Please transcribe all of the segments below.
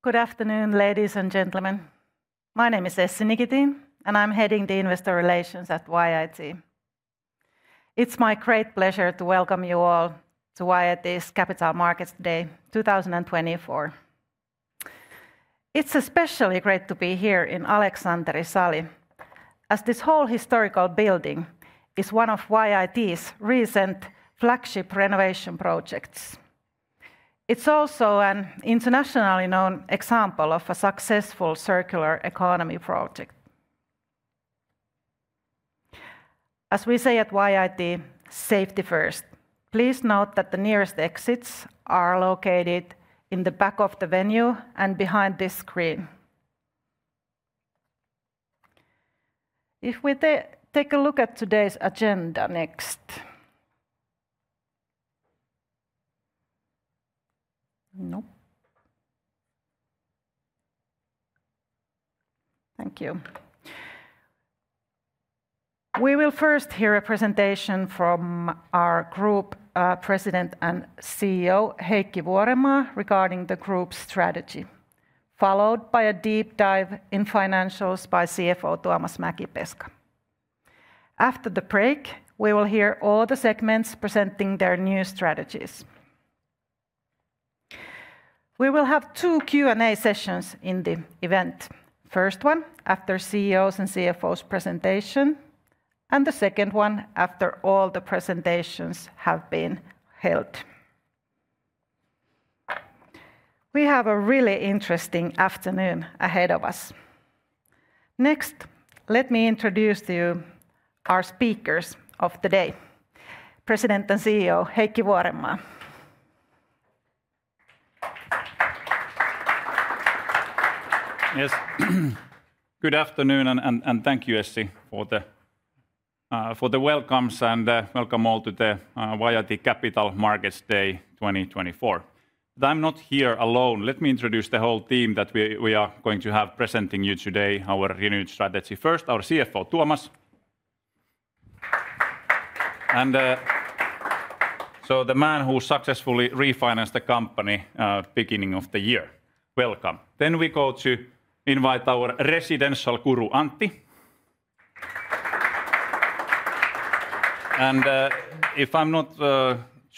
Good afternoon, ladies and gentlemen. My name is Essi Nikitin, and I'm heading the Investor Relations at YIT. It's my great pleasure to welcome you all to YIT's Capital Markets Day 2024. It's especially great to be here in Aleksanteri-sali, as this whole historical building is one of YIT's recent flagship renovation projects. It's also an internationally known example of a successful circular economy project. As we say at YIT, safety first. Please note that the nearest exits are located in the back of the venue and behind this screen. If we take a look at today's agenda next... Nope. Thank you. We will first hear a presentation from our Group President and CEO, Heikki Vuorenmaa, regarding the group's strategy, followed by a deep dive in financials by CFO Tuomas Mäkipeska. After the break, we will hear all the segments presenting their new strategies. We will have two Q&A sessions in the event. First one after CEOs and CFOs' presentation, and the second one after all the presentations have been held. We have a really interesting afternoon ahead of us. Next, let me introduce to you our speakers of the day: President and CEO Heikki Vuorenmaa. Yes. Good afternoon, and thank you, Essi, for the welcomes and welcome all to the YIT Capital Markets Day 2024. But I'm not here alone. Let me introduce the whole team that we are going to have presenting you today our renewed strategy. First, our CFO, Tuomas. And so the man who successfully refinanced the company at the beginning of the year. Welcome. Then we go to invite our residential guru, Antti. And if I'm not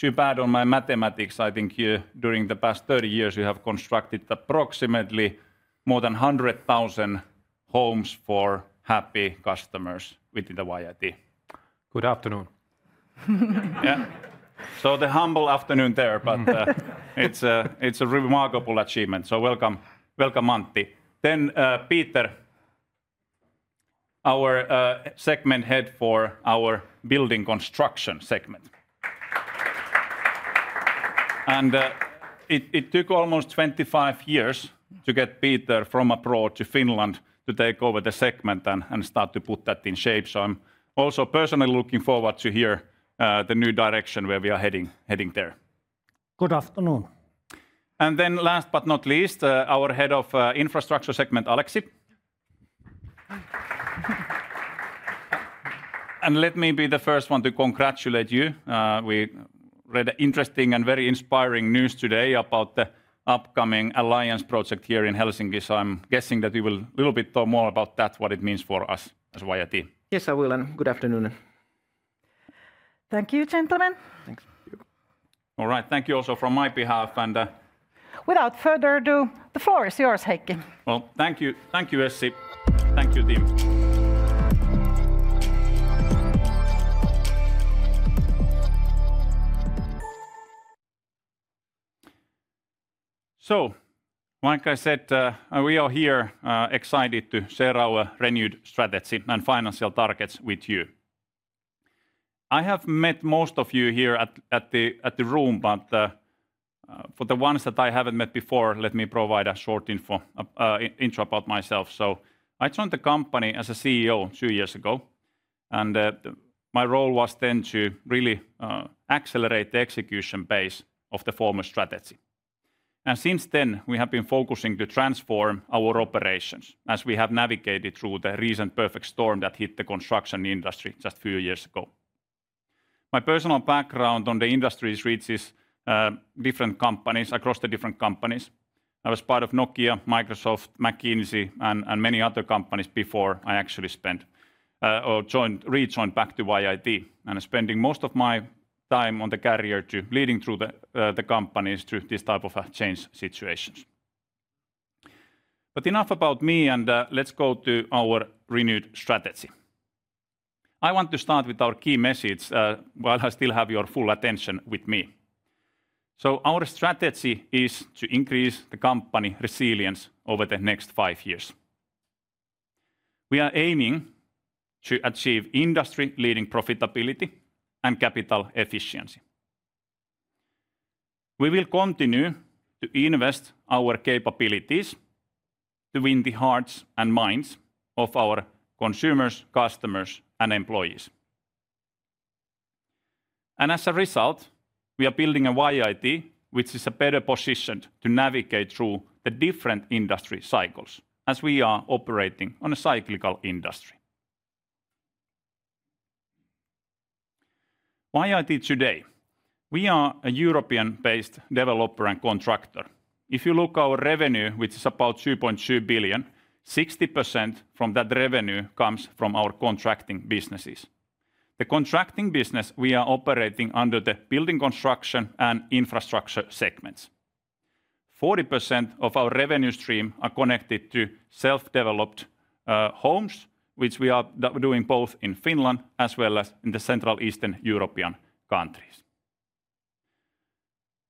too bad on my mathematics, I think during the past 30 years you have constructed approximately more than 100,000 homes for happy customers within the YIT. Good afternoon. Yeah, so the wonderful afternoon there, but it's a remarkable achievement, so welcome, Antti, then Peter, our segment head for our Building Construction segment, and it took almost 25 years to get Peter from abroad to Finland to take over the segment and start to put that in shape, so I'm also personally looking forward to hear the new direction where we are heading there. Good afternoon. And then last but not least, our head of Infrastructure segment, Aleksi. And let me be the first one to congratulate you. We read interesting and very inspiring news today about the upcoming alliance project here in Helsinki. So I'm guessing that you will a little bit more about that, what it means for us as YIT. Yes, I will. Good afternoon. Thank you, gentlemen. Thanks. All right. Thank you also from my behalf. And. Without further ado, the floor is yours, Heikki. Well, thank you. Thank you, Essi. Thank you, team. So like I said, we are here excited to share our renewed strategy and financial targets with you. I have met most of you here at the room, but for the ones that I haven't met before, let me provide a short intro about myself. So I joined the company as a CEO two years ago, and my role was then to really accelerate the execution base of the former strategy. And since then, we have been focusing to transform our operations as we have navigated through the recent perfect storm that hit the construction industry just a few years ago. My personal background on the industry reaches different companies across the different companies. I was part of Nokia, Microsoft, McKinsey, and many other companies before I actually rejoined back to YIT and spending most of my time on the carrier to leading through the companies through this type of change situations. But enough about me, and let's go to our renewed strategy. I want to start with our key message while I still have your full attention with me. So our strategy is to increase the company resilience over the next five years. We are aiming to achieve industry-leading profitability and capital efficiency. We will continue to invest our capabilities to win the hearts and minds of our consumers, customers, and employees. And as a result, we are building a YIT which is better positioned to navigate through the different industry cycles as we are operating on a cyclical industry. YIT today, we are a European-based developer and contractor. If you look at our revenue, which is about 2.2 billion, 60% from that revenue comes from our contracting businesses. The contracting business we are operating under the Building Construction and Infrastructure segments. 40% of our revenue stream are connected to self-developed homes, which we are doing both in Finland as well as in the Central and Eastern European countries.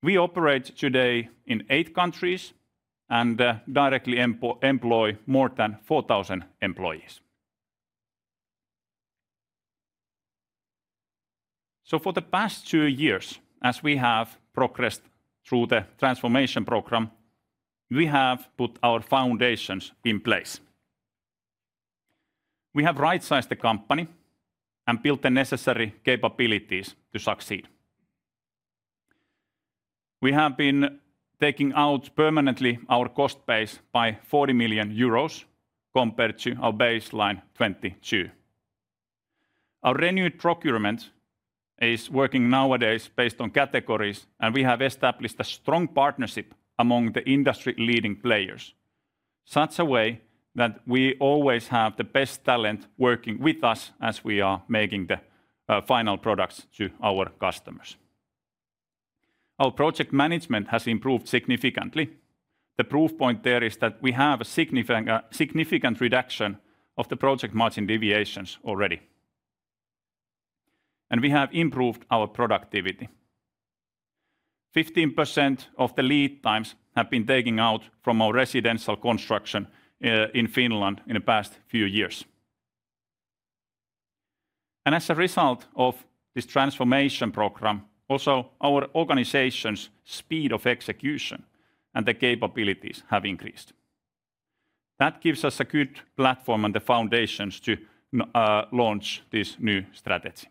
We operate today in eight countries and directly employ more than 4,000 employees. So for the past two years, as we have progressed through the transformation program, we have put our foundations in place. We have right-sized the company and built the necessary capabilities to succeed. We have been taking out permanently our cost base by 40 million euros compared to our baseline 2022. Our renewed procurement is working nowadays based on categories, and we have established a strong partnership among the industry-leading players, such a way that we always have the best talent working with us as we are making the final products to our customers. Our project management has improved significantly. The proof point there is that we have a significant reduction of the project margin deviations already, and we have improved our productivity. 15% of the lead times have been taken out from our residential construction in Finland in the past few years, and as a result of this transformation program, also our organization's speed of execution and the capabilities have increased. That gives us a good platform and the foundations to launch this new strategy.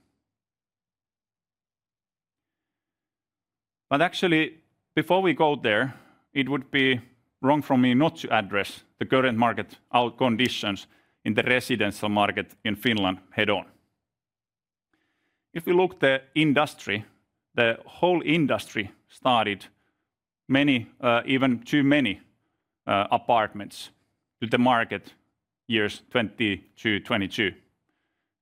But actually, before we go there, it would be wrong for me not to address the current market conditions in the residential market in Finland head-on. If we look at the industry, the whole industry started many, even too many apartments to the market years 2022-2023.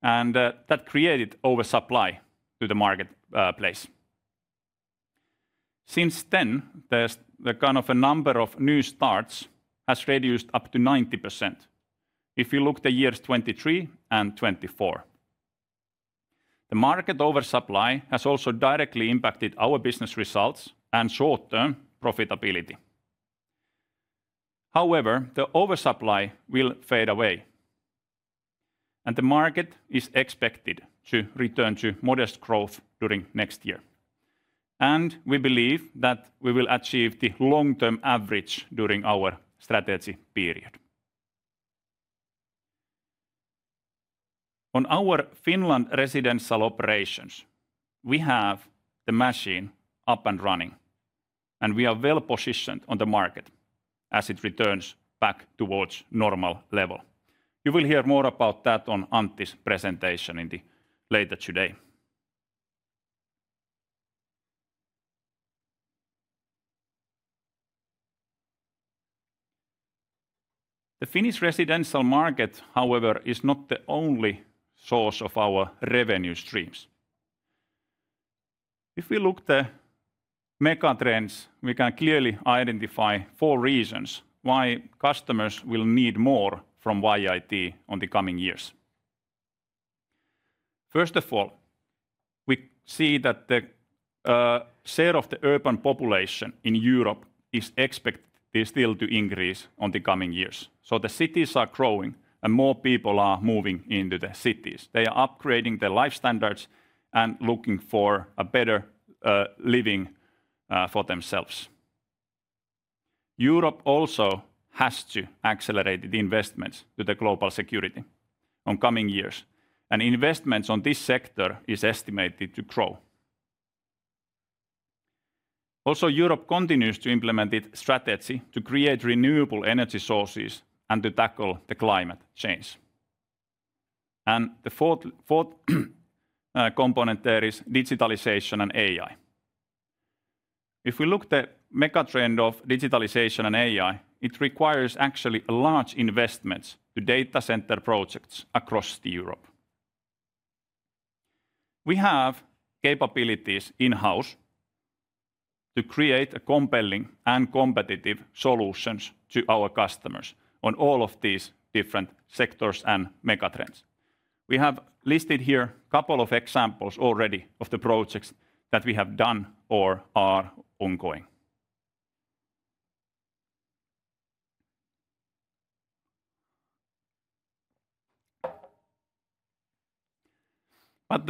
And that created oversupply to the marketplace. Since then, the kind of number of new starts has reduced up to 90% if you look at the years 2023 and 2024. The market oversupply has also directly impacted our business results and short-term profitability. However, the oversupply will fade away, and the market is expected to return to modest growth during next year. And we believe that we will achieve the long-term average during our strategy period. On our Finland residential operations, we have the machine up and running, and we are well positioned on the market as it returns back towards normal level. You will hear more about that on Antti's presentation later today. The Finnish residential market, however, is not the only source of our revenue streams. If we look at the megatrends, we can clearly identify four reasons why customers will need more from YIT in the coming years. First of all, we see that the share of the urban population in Europe is expected still to increase in the coming years, so the cities are growing and more people are moving into the cities. They are upgrading their life standards and looking for a better living for themselves. Europe also has to accelerate the investments to the global security in coming years, and investments in this sector are estimated to grow. Also, Europe continues to implement its strategy to create renewable energy sources and to tackle the climate change, and the fourth component there is digitalization and AI. If we look at the megatrend of digitalization and AI, it requires actually large investments to data center projects across Europe. We have capabilities in-house to create compelling and competitive solutions to our customers on all of these different sectors and megatrends. We have listed here a couple of examples already of the projects that we have done or are ongoing. But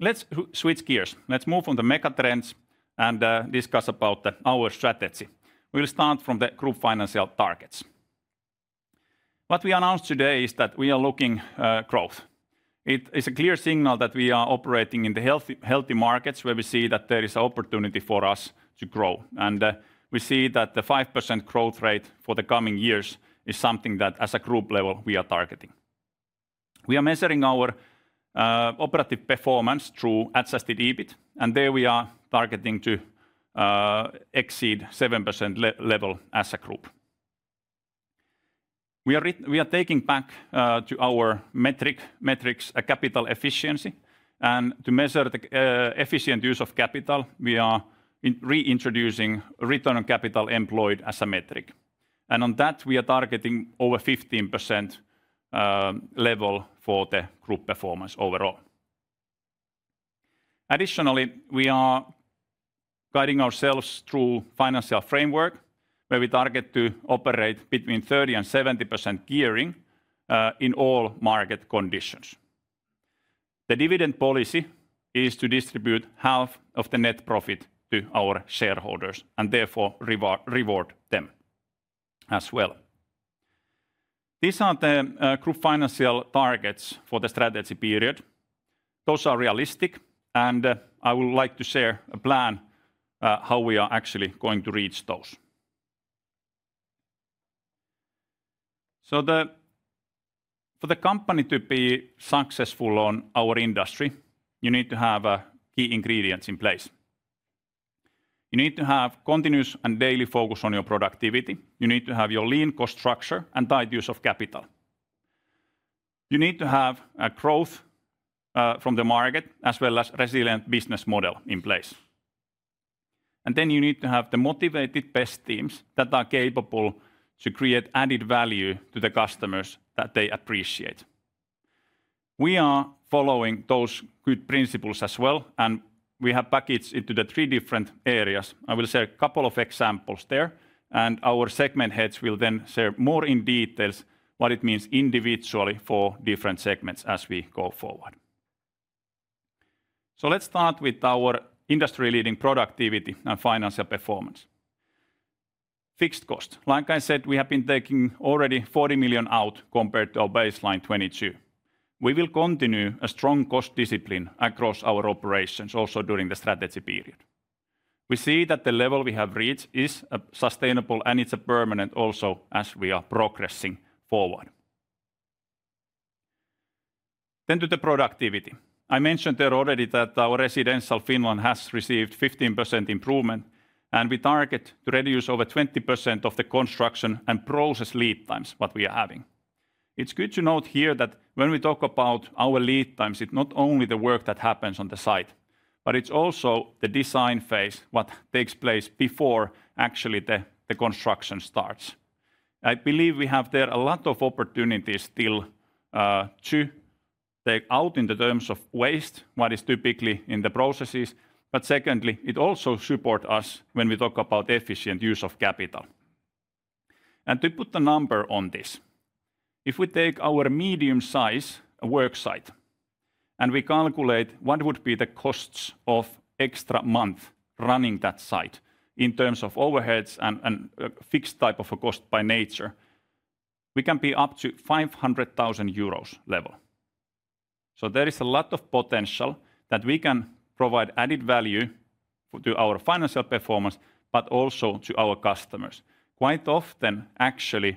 let's switch gears. Let's move on the megatrends and discuss about our strategy. We'll start from the group financial targets. What we announced today is that we are looking at growth. It is a clear signal that we are operating in the healthy markets where we see that there is an opportunity for us to grow. And we see that the 5% growth rate for the coming years is something that, as a group level, we are targeting. We are measuring our operative performance through Adjusted EBIT, and there we are targeting to exceed 7% level as a group. We are taking back to our metrics capital efficiency. And to measure the efficient use of capital, we are reintroducing return on capital employed as a metric. And on that, we are targeting over 15% level for the group performance overall. Additionally, we are guiding ourselves through a financial framework where we target to operate between 30%-70% gearing in all market conditions. The dividend policy is to distribute half of the net profit to our shareholders and therefore reward them as well. These are the group financial targets for the strategy period. Those are realistic, and I would like to share a plan of how we are actually going to reach those. So for the company to be successful in our industry, you need to have key ingredients in place. You need to have continuous and daily focus on your productivity. You need to have your lean cost structure and tight use of capital. You need to have growth from the market as well as a resilient business model in place. And then you need to have the motivated best teams that are capable to create added value to the customers that they appreciate. We are following those good principles as well, and we have packaged it into three different areas. I will share a couple of examples there, and our segment heads will then share more in detail what it means individually for different segments as we go forward. So let's start with our industry-leading productivity and financial performance. Fixed cost. Like I said, we have been taking already 40 million out compared to our baseline 2022. We will continue a strong cost discipline across our operations also during the strategy period. We see that the level we have reached is sustainable, and it's permanent also as we are progressing forward. Then to the productivity. I mentioned there already that our Residential Finland has received a 15% improvement, and we target to reduce over 20% of the construction and process lead times that we are having. It's good to note here that when we talk about our lead times, it's not only the work that happens on the site, but it's also the design phase, what takes place before actually the construction starts. I believe we have there a lot of opportunities still to take out in the terms of waste, what is typically in the processes, but secondly, it also supports us when we talk about efficient use of capital, and to put a number on this, if we take our medium-sized worksite and we calculate what would be the costs of extra months running that site in terms of overheads and fixed type of a cost by nature, we can be up to 500,000 euros level, so there is a lot of potential that we can provide added value to our financial performance, but also to our customers. Quite often, actually,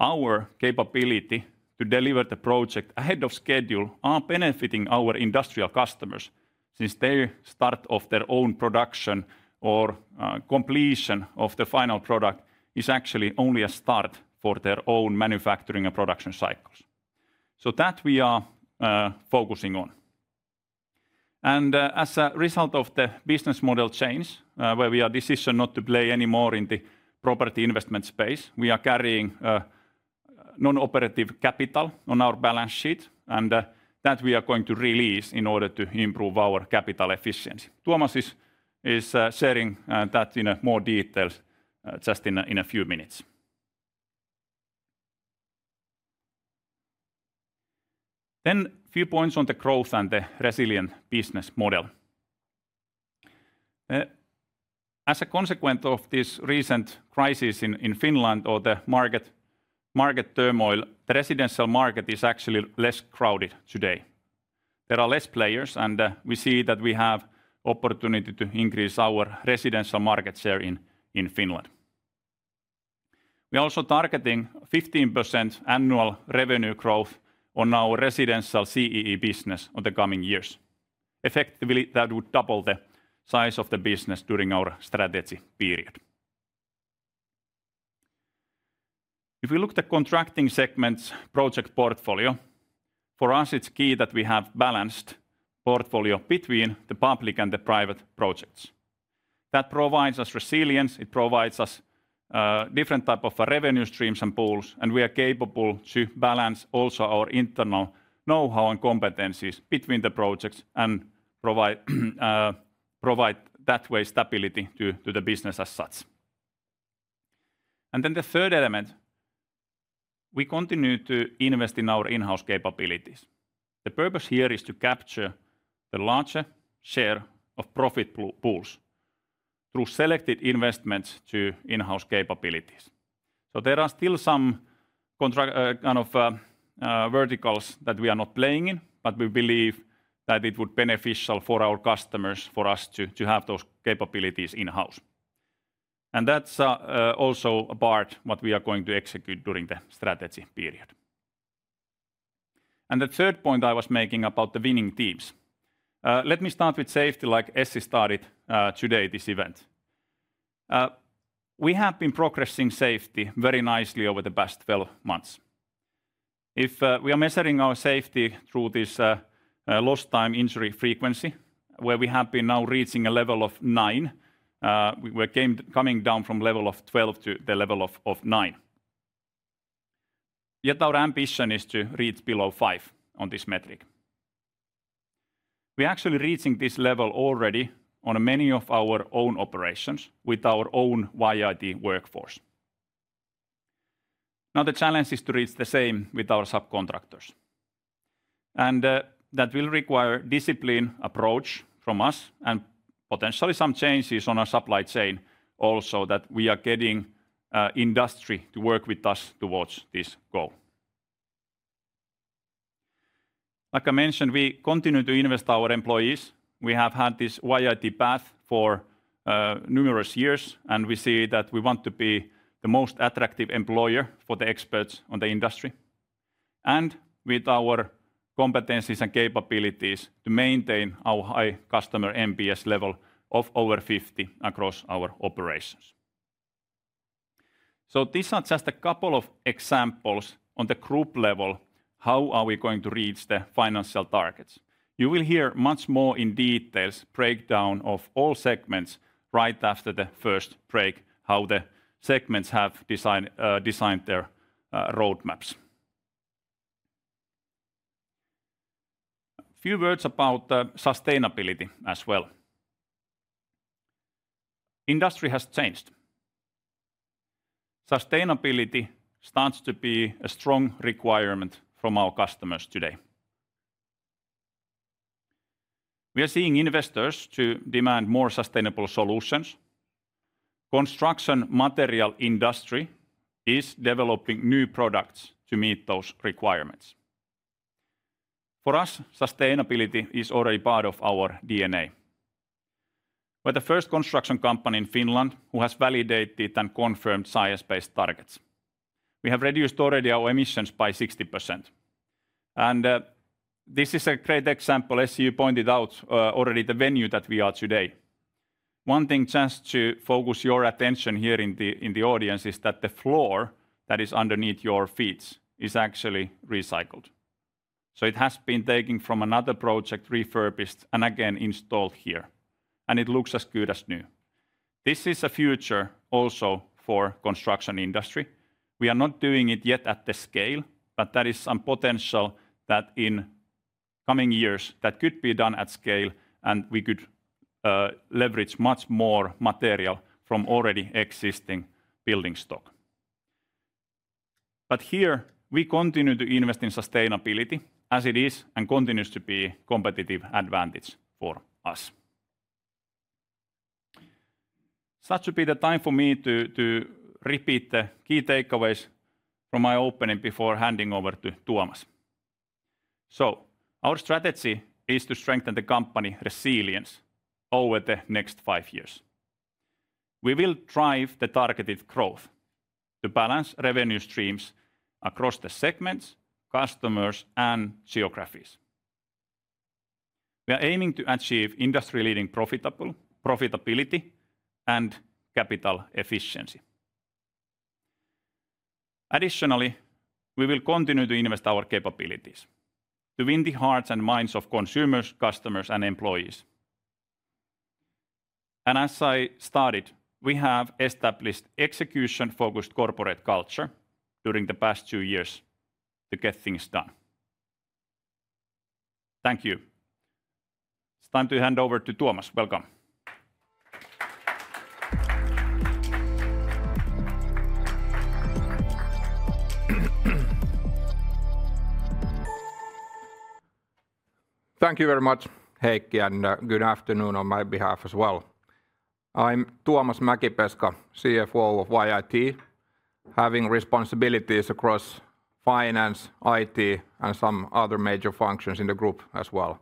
our capability to deliver the project ahead of schedule is benefiting our industrial customers since their start of their own production or completion of the final product is actually only a start for their own manufacturing and production cycles. So that we are focusing on. And as a result of the business model change, where we are deciding not to play anymore in the property investment space, we are carrying non-operative capital on our balance sheet, and that we are going to release in order to improve our capital efficiency. Tuomas is sharing that in more detail just in a few minutes. Then a few points on the growth and the resilient business model. As a consequence of this recent crisis in Finland or the market turmoil, the residential market is actually less crowded today. There are less players, and we see that we have the opportunity to increase our residential market share in Finland. We are also targeting 15% annual revenue growth on our Residential CEE business in the coming years. Effectively, that would double the size of the business during our strategy period. If we look at the contracting segment's project portfolio, for us, it's key that we have a balanced portfolio between the public and the private projects. That provides us resilience. It provides us different types of revenue streams and pools, and we are capable to balance also our internal know-how and competencies between the projects and provide that way stability to the business as such, and then the third element, we continue to invest in our in-house capabilities. The purpose here is to capture the larger share of profit pools through selected investments to in-house capabilities, so there are still some kind of verticals that we are not playing in, but we believe that it would be beneficial for our customers for us to have those capabilities in-house, and that's also a part of what we are going to execute during the strategy period. And the third point I was making about the winning teams. Let me start with safety, like Essi started today this event. We have been progressing safety very nicely over the past 12 months. If we are measuring our safety through this lost time injury frequency, where we have been now reaching a level of nine, we are coming down from level of 12 to the level of nine. Yet our ambition is to reach below five on this metric. We are actually reaching this level already on many of our own operations with our own YIT workforce. Now the challenge is to reach the same with our subcontractors. And that will require a disciplined approach from us and potentially some changes on our supply chain also that we are getting industry to work with us towards this goal. Like I mentioned, we continue to invest in our employees. We have had this YIT Path for numerous years, and we see that we want to be the most attractive employer for the experts in the industry and with our competencies and capabilities to maintain our high customer NPS level of over 50 across our operations, so these are just a couple of examples on the group level of how we are going to reach the financial targets. You will hear much more in detail breakdown of all segments right after the first break, how the segments have designed their roadmaps. A few words about sustainability as well. Industry has changed. Sustainability starts to be a strong requirement from our customers today. We are seeing investors demand more sustainable solutions. The construction material industry is developing new products to meet those requirements. For us, sustainability is already part of our DNA. We are the first construction company in Finland who has validated and confirmed science-based targets. We have reduced already our emissions by 60%, and this is a great example, as you pointed out already, the venue that we are today. One thing just to focus your attention here in the audience is that the floor that is underneath your feet is actually recycled, so it has been taken from another project, refurbished, and again installed here, and it looks as good as new. This is a future also for the construction industry. We are not doing it yet at the scale, but there is some potential that in coming years that could be done at scale, and we could leverage much more material from already existing building stock, but here, we continue to invest in sustainability as it is and continues to be a competitive advantage for us. have a bit of time for me to repeat the key takeaways from my opening before handing over to Tuomas. So our strategy is to strengthen the company resilience over the next five years. We will drive the targeted growth to balance revenue streams across the segments, customers, and geographies. We are aiming to achieve industry-leading profitability and capital efficiency. Additionally, we will continue to invest in our capabilities to win the hearts and minds of consumers, customers, and employees. And as I started, we have established an execution-focused corporate culture during the past two years to get things done. Thank you. It's time to hand over to Tuomas. Welcome. Thank you very much, Heikki, and good afternoon on my behalf as well. I'm Tuomas Mäkipeska, CFO of YIT, having responsibilities across finance, IT, and some other major functions in the group as well.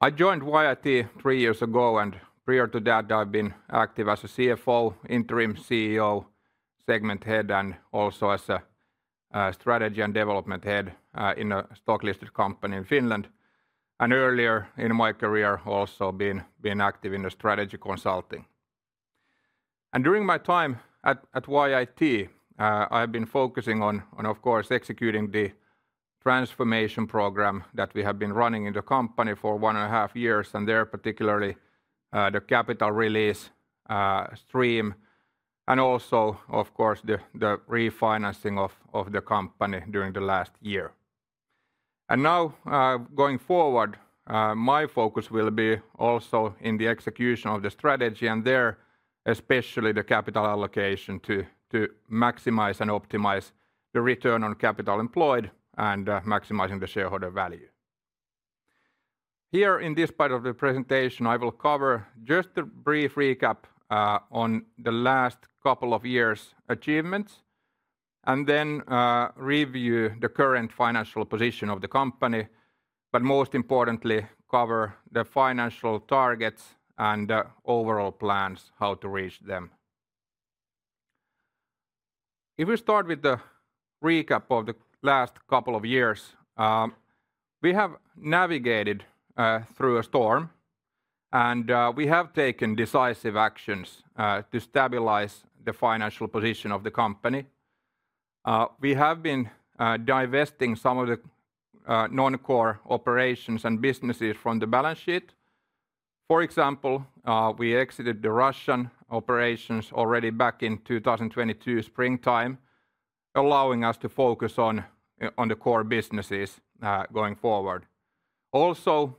I joined YIT three years ago, and prior to that, I've been active as a CFO, interim CEO, segment head, and also as a strategy and development head in a stock-listed company in Finland. Earlier in my career, I've also been active in strategy consulting. During my time at YIT, I have been focusing on, of course, executing the transformation program that we have been running in the company for one and a half years, and there particularly the capital release stream, and also, of course, the refinancing of the company during the last year. Now, going forward, my focus will be also in the execution of the strategy, and there especially the capital allocation to maximize and optimize the return on capital employed and maximizing the shareholder value. Here, in this part of the presentation, I will cover just a brief recap on the last couple of years' achievements, and then review the current financial position of the company, but most importantly, cover the financial targets and overall plans on how to reach them. If we start with the recap of the last couple of years, we have navigated through a storm, and we have taken decisive actions to stabilize the financial position of the company. We have been divesting some of the non-core operations and businesses from the balance sheet. For example, we exited the Russian operations already back in 2022 springtime, allowing us to focus on the core businesses going forward. Also,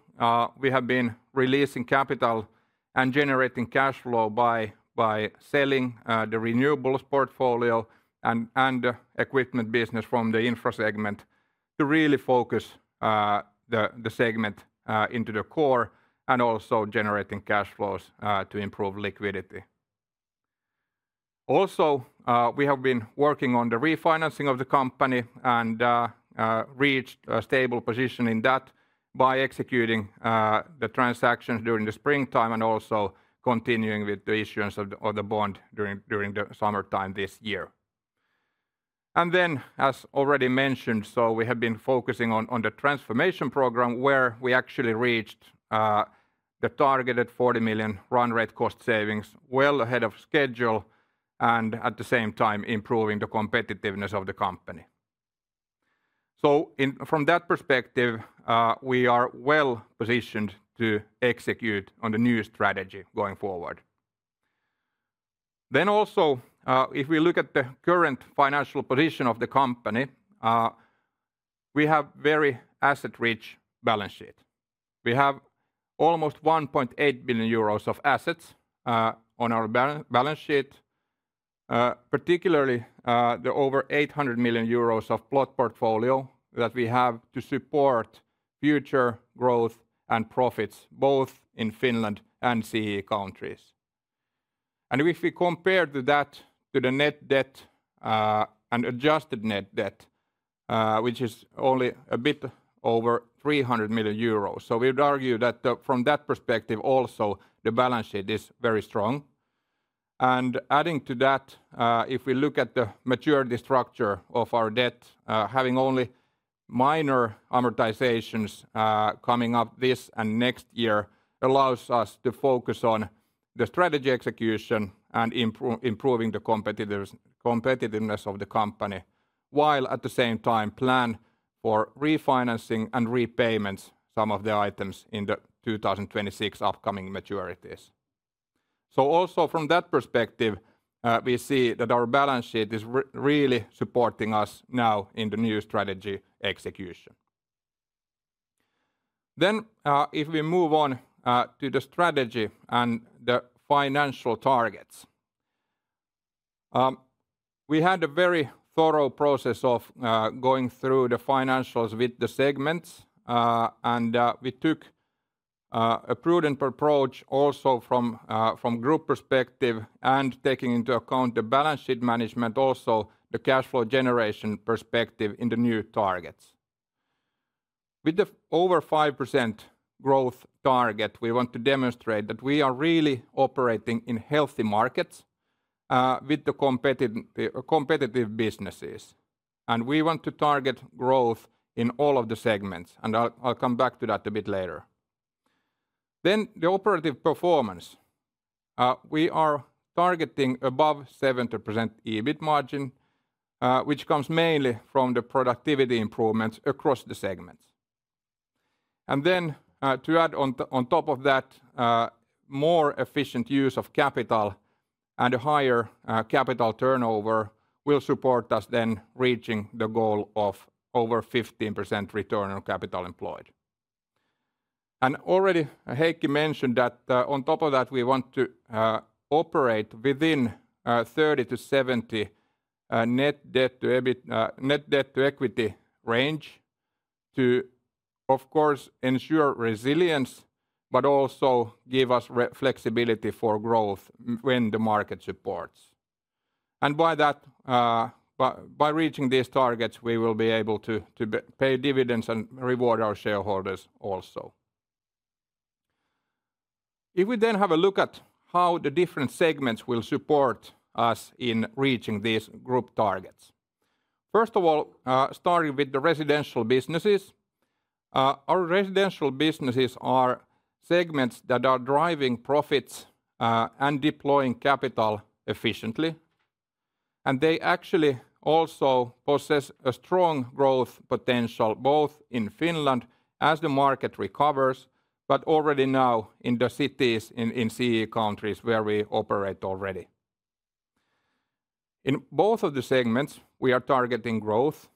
we have been releasing capital and generating cash flow by selling the renewables portfolio and equipment business from the Infra segment to really focus the segment into the core and also generating cash flows to improve liquidity. Also, we have been working on the refinancing of the company and reached a stable position in that by executing the transactions during the springtime and also continuing with the issuance of the bond during the summertime this year, and then, as already mentioned, we have been focusing on the transformation program where we actually reached the targeted 40 million run rate cost savings well ahead of schedule and at the same time improving the competitiveness of the company, so from that perspective, we are well positioned to execute on the new strategy going forward. Then also, if we look at the current financial position of the company, we have a very asset-rich balance sheet. We have almost 1.8 billion euros of assets on our balance sheet, particularly the over 800 million euros of plot portfolio that we have to support future growth and profits both in Finland and CEE countries. And if we compare that to the net debt and adjusted net debt, which is only a bit over 300 million euros, so we would argue that from that perspective, also the balance sheet is very strong. And adding to that, if we look at the maturity structure of our debt, having only minor amortizations coming up this and next year allows us to focus on the strategy execution and improving the competitiveness of the company, while at the same time planning for refinancing and repayments of some of the items in the 2026 upcoming maturities. So also from that perspective, we see that our balance sheet is really supporting us now in the new strategy execution. Then if we move on to the strategy and the financial targets, we had a very thorough process of going through the financials with the segments, and we took a prudent approach also from a group perspective and taking into account the balance sheet management, also the cash flow generation perspective in the new targets. With the over 5% growth target, we want to demonstrate that we are really operating in healthy markets with the competitive businesses, and we want to target growth in all of the segments, and I'll come back to that a bit later, then the operative performance, we are targeting above 70% EBIT margin, which comes mainly from the productivity improvements across the segments, and then to add on top of that, more efficient use of capital and a higher capital turnover will support us then reaching the goal of over 15% return on capital employed, and already Heikki mentioned that on top of that, we want to operate within a 30%-70% net debt to equity range to, of course, ensure resilience, but also give us flexibility for growth when the market supports. By reaching these targets, we will be able to pay dividends and reward our shareholders also. If we then have a look at how the different segments will support us in reaching these group targets. First of all, starting with the residential businesses. Our residential businesses are segments that are driving profits and deploying capital efficiently. And they actually also possess a strong growth potential both in Finland as the market recovers, but already now in the cities in CEE countries where we operate already. In both of the segments, we are targeting growth,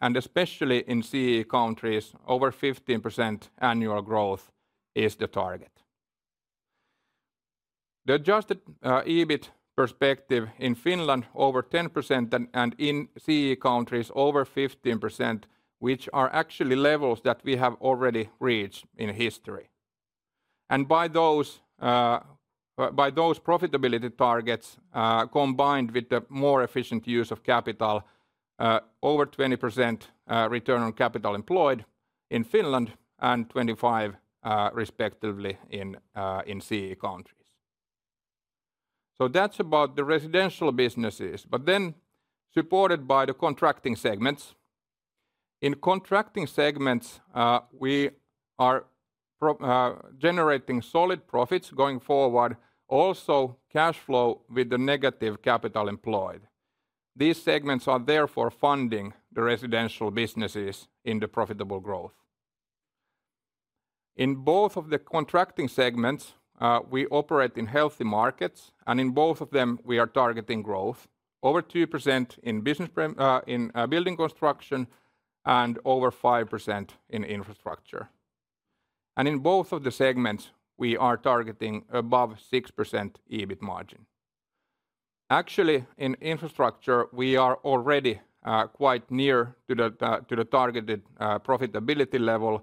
and especially in CEE countries, over 15% annual growth is the target. The Adjusted EBIT perspective in Finland is over 10%, and in CEE countries, over 15%, which are actually levels that we have already reached in history. By those profitability targets, combined with the more efficient use of capital, over 20% return on capital employed in Finland and 25% respectively in CEE countries. That's about the residential businesses, but then supported by the contracting segments. In contracting segments, we are generating solid profits going forward, also cash flow with the negative capital employed. These segments are therefore funding the residential businesses in the profitable growth. In both of the contracting segments, we operate in healthy markets, and in both of them, we are targeting growth, over 2% in building construction and over 5% in infrastructure. In both of the segments, we are targeting above 6% EBIT margin. Actually, in infrastructure, we are already quite near to the targeted profitability level,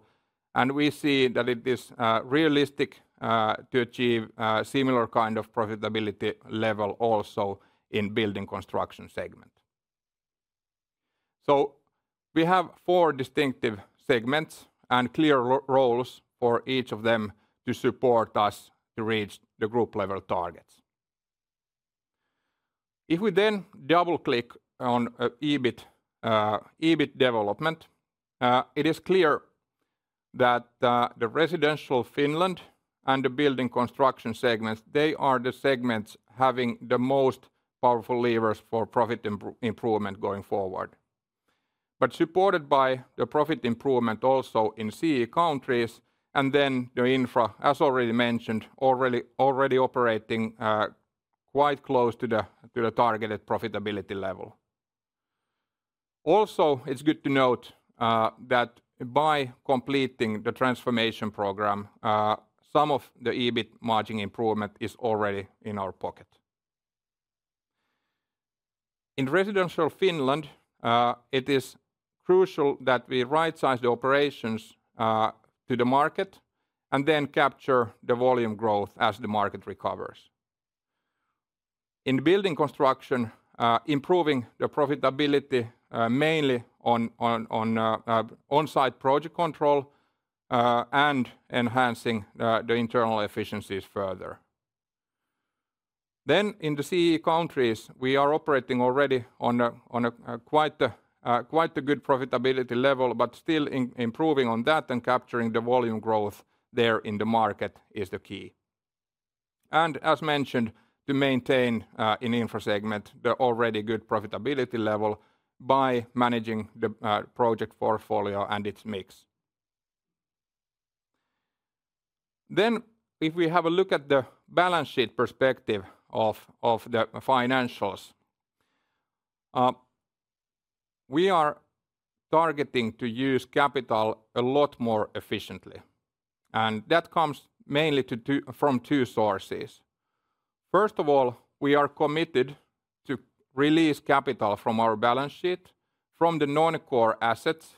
and we see that it is realistic to achieve a similar kind of profitability level also in the building construction segment. So we have four distinctive segments and clear roles for each of them to support us to reach the group level targets. If we then double-click on EBIT development, it is clear that the residential Finland and the building construction segments, they are the segments having the most powerful levers for profit improvement going forward. But supported by the profit improvement also in CEE countries, and then the infra, as already mentioned, already operating quite close to the targeted profitability level. Also, it's good to note that by completing the transformation program, some of the EBIT margin improvement is already in our pocket. In residential Finland, it is crucial that we right-size the operations to the market and then capture the volume growth as the market recovers. In building construction, improving the profitability mainly on-site project control and enhancing the internal efficiencies further. Then, in the CEE countries, we are operating already on a quite good profitability level, but still improving on that and capturing the volume growth there in the market is the key. And, as mentioned, to maintain in the infra segment the already good profitability level by managing the project portfolio and its mix. Then, if we have a look at the balance sheet perspective of the financials, we are targeting to use capital a lot more efficiently. And that comes mainly from two sources. First of all, we are committed to release capital from our balance sheet from the non-core assets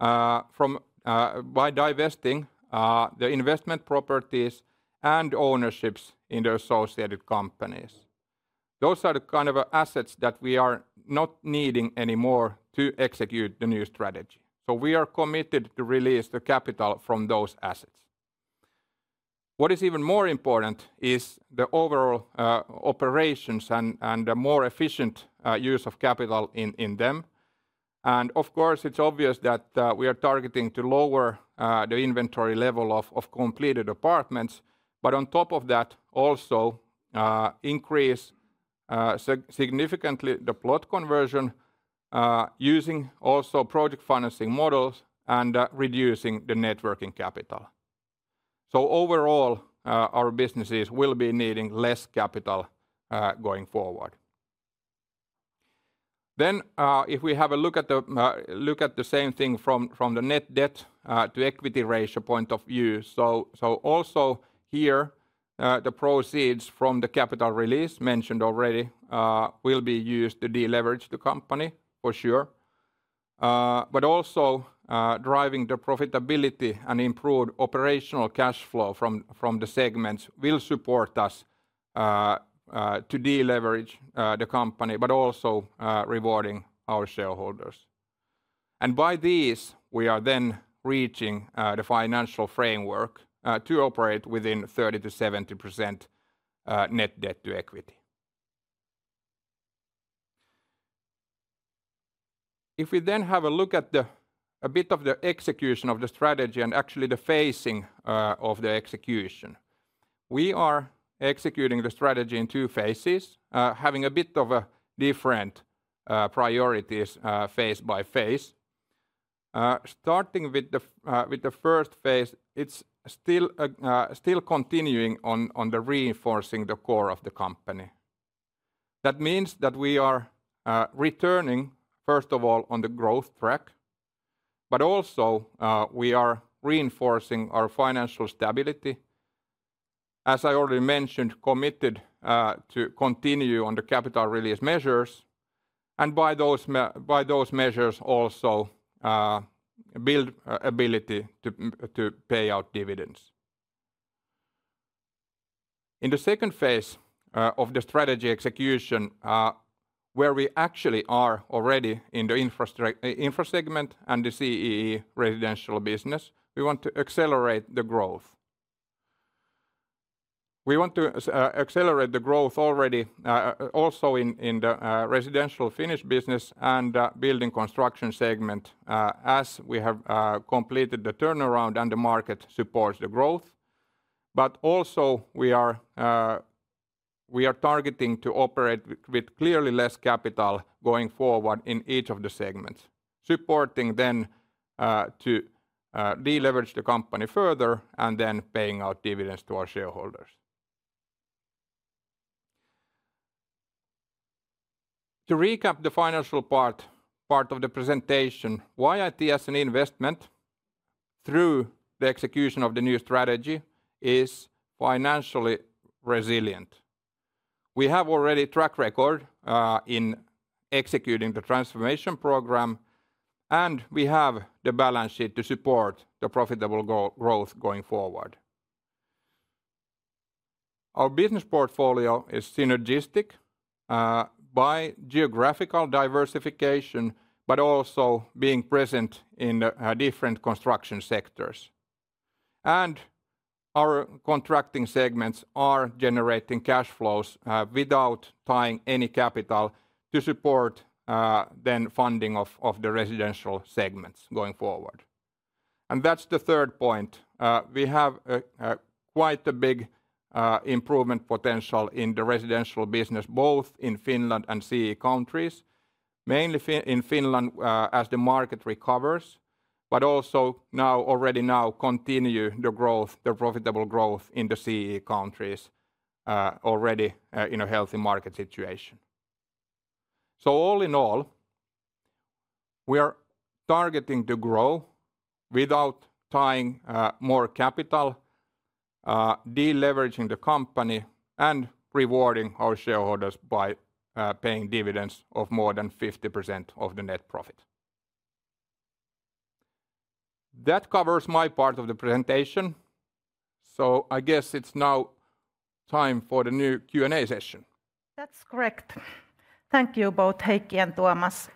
by divesting the investment properties and ownerships in the associated companies. Those are the kind of assets that we are not needing anymore to execute the new strategy. So, we are committed to release the capital from those assets. What is even more important is the overall operations and the more efficient use of capital in them, and of course, it's obvious that we are targeting to lower the inventory level of completed apartments, but on top of that, also increase significantly the plot conversion using also project financing models and reducing the working capital. So overall, our businesses will be needing less capital going forward, then if we have a look at the same thing from the net debt to equity ratio point of view, so also here the proceeds from the capital release mentioned already will be used to deleverage the company for sure, but also driving the profitability and improved operational cash flow from the segments will support us to deleverage the company, but also rewarding our shareholders. And by these, we are then reaching the financial framework to operate within 30%-70% net debt to equity. If we then have a look at a bit of the execution of the strategy and actually the phasing of the execution, we are executing the strategy in two phases, having a bit of different priorities phase by phase. Starting with the first phase, it's still continuing on the reinforcing the core of the company. That means that we are returning, first of all, on the growth track, but also we are reinforcing our financial stability. As I already mentioned, committed to continue on the capital release measures, and by those measures also build ability to pay out dividends. In the second phase of the strategy execution, where we actually are already in the infra segment and the CEE residential business, we want to accelerate the growth. We want to accelerate the growth already also in the residential Finnish business and building construction segment as we have completed the turnaround and the market supports the growth. But also we are targeting to operate with clearly less capital going forward in each of the segments, supporting then to deleverage the company further and then paying out dividends to our shareholders. To recap the financial part of the presentation, YIT as an investment through the execution of the new strategy is financially resilient. We have already a track record in executing the transformation program, and we have the balance sheet to support the profitable growth going forward. Our business portfolio is synergistic by geographical diversification, but also being present in different construction sectors. And our contracting segments are generating cash flows without tying any capital to support then funding of the residential segments going forward. That's the third point. We have quite a big improvement potential in the residential business, both in Finland and CEE countries, mainly in Finland as the market recovers, but also now already continue the growth, the profitable growth in the CEE countries already in a healthy market situation. All in all, we are targeting to grow without tying more capital, deleveraging the company, and rewarding our shareholders by paying dividends of more than 50% of the net profit. That covers my part of the presentation. I guess it's now time for the new Q&A session. That's correct. Thank you both, Heikki and Tuomas.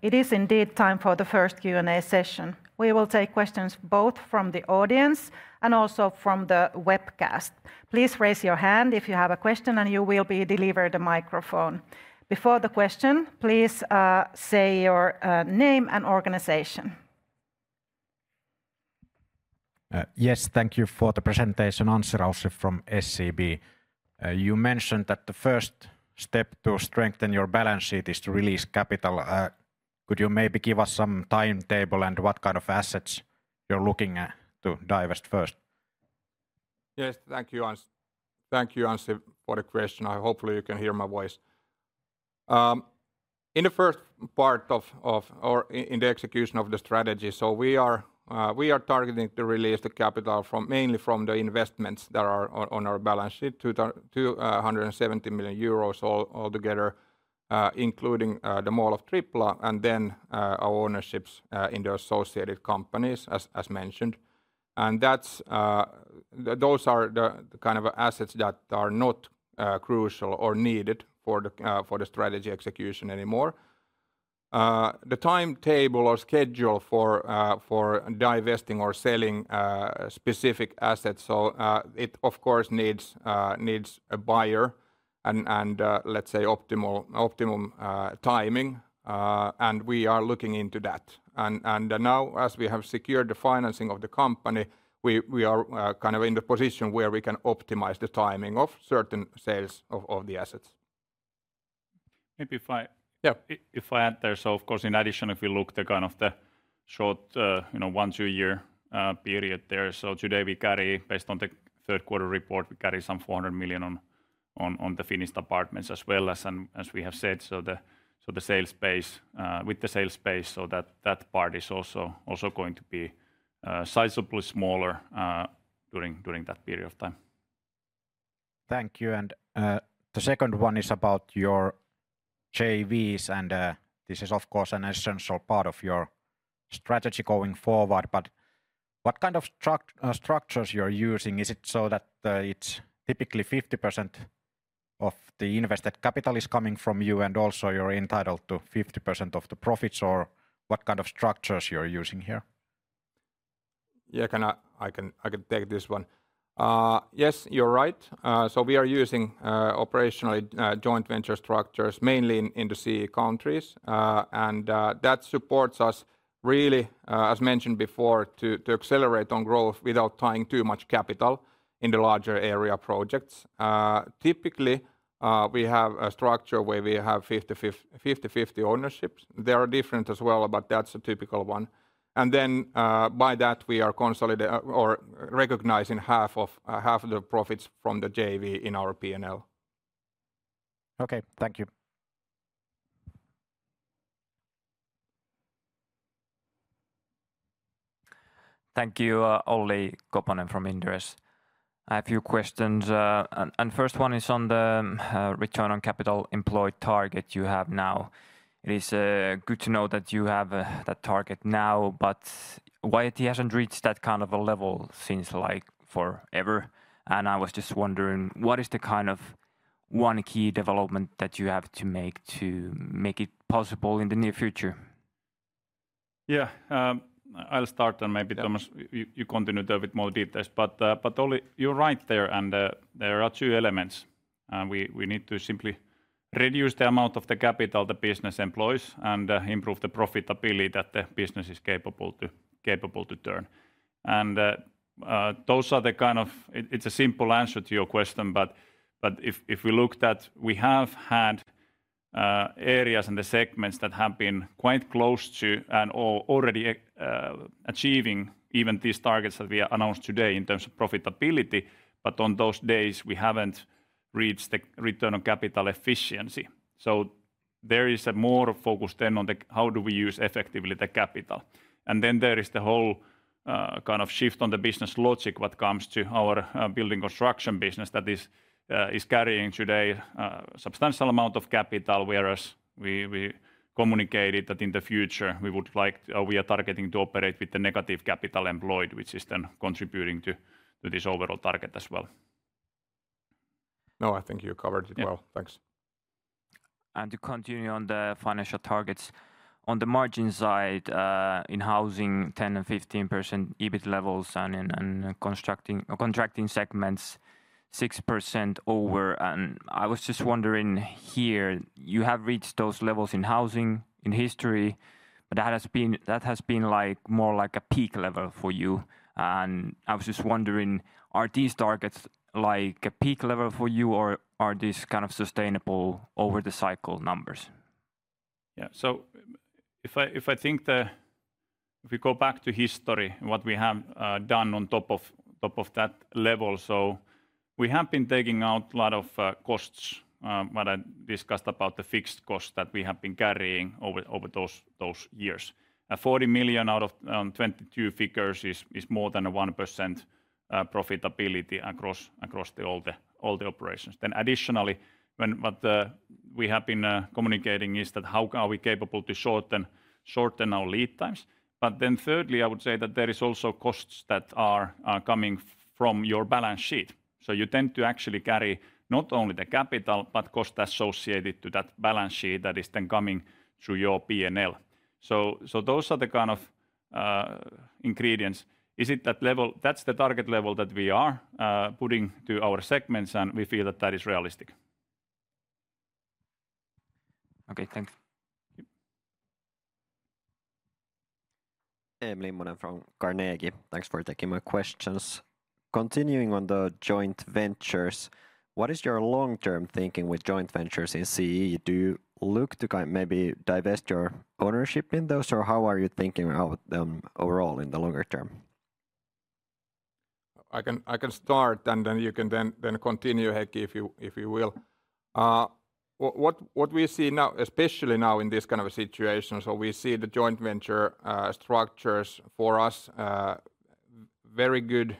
It is indeed time for the first Q&A session. We will take questions both from the audience and also from the webcast. Please raise your hand if you have a question, and you will be delivered a microphone. Before the question, please say your name and organization. Yes, thank you for the presentation, Anssi Raussi from SEB. You mentioned that the first step to strengthen your balance sheet is to release capital. Could you maybe give us some timetable and what kind of assets you're looking to divest first? Yes, thank you, Anssi, for the question. Hopefully, you can hear my voice. In the first part of, or in the execution of the strategy, so we are targeting to release the capital mainly from the investments that are on our balance sheet, 270 million euros altogether, including the Mall of Tripla, and then our ownerships in the associated companies, as mentioned. Those are the kind of assets that are not crucial or needed for the strategy execution anymore. The timetable or schedule for divesting or selling specific assets, so it of course needs a buyer and, let's say, optimum timing, and we are looking into that. Now, as we have secured the financing of the company, we are kind of in the position where we can optimize the timing of certain sales of the assets. Maybe if I add there, so of course, in addition, if we look at the kind of short, you know, one- to two-year period there, so today we carry, based on the third quarter report, some 400 million on the Finnish operations as well as we have said, so the sales pace, with the sales pace, so that part is also going to be sizably smaller during that period of time. Thank you. The second one is about your JVs, and this is of course an essential part of your strategy going forward, but what kind of structures you're using? Is it so that it's typically 50% of the invested capital is coming from you, and also you're entitled to 50% of the profits, or what kind of structures you're using here? Yeah, I can take this one. Yes, you're right. So we are using operationally joint venture structures mainly in the CEE countries, and that supports us really, as mentioned before, to accelerate on growth without tying too much capital in the larger area projects. Typically, we have a structure where we have 50-50 ownerships. There are different as well, but that's a typical one. And then by that, we are recognizing half of the profits from the JV in our P&L. Okay, thank you. Thank you, Olli Koponen from Inderes. I have a few questions. And the first one is on the return on capital employed target you have now. It is good to know that you have that target now, but YIT hasn't reached that kind of a level since like forever. And I was just wondering, what is the kind of one key development that you have to make to make it possible in the near future? Yeah, I'll start, and maybe Tuomas, you continue a bit more details. But Olli, you're right there, and there are two elements. We need to simply reduce the amount of the capital the business employs and improve the profitability that the business is capable to turn. Those are the kind of. It's a simple answer to your question, but if we look that we have had areas and the segments that have been quite close to and already achieving even these targets that we announced today in terms of profitability, but on those days, we haven't reached return on capital employed. There is a more focus then on how do we use effectively the capital. Then there is the whole kind of shift on the business logic what comes to our building construction business that is carrying today a substantial amount of capital, whereas we communicated that in the future we would like, we are targeting to operate with the negative capital employed, which is then contributing to this overall target as well. No, I think you covered it well. Thanks. To continue on the financial targets, on the margin side in Housing, 10%-15% EBIT levels and contracting segments, 6% over. I was just wondering here, you have reached those levels in housing in history, but that has been like more like a peak level for you. I was just wondering, are these targets like a peak level for you, or are these kind of sustainable over the cycle numbers? Yeah, so if I think that we go back to history, what we have done on top of that level, so we have been taking out a lot of costs, what I discussed about the fixed costs that we have been carrying over those years. 40 million out of 22 figures is more than a 1% profitability across all the operations. Then additionally, what we have been communicating is that how are we capable to shorten our lead times. But then thirdly, I would say that there are also costs that are coming from your balance sheet. So you tend to actually carry not only the capital, but costs associated to that balance sheet that is then coming through your P&L. So those are the kind of ingredients. Is it that level? That's the target level that we are putting to our segments, and we feel that that is realistic. Okay, thanks. Eemeli Jantunen from Carnegie. Thanks for taking my questions. Continuing on the joint ventures, what is your long-term thinking with joint ventures in CEE? Do you look to maybe divest your ownership in those, or how are you thinking about them overall in the longer term? I can start, and then you can then continue, Heikki, if you will. What we see now, especially now in this kind of a situation, so we see the joint venture structures for us, very good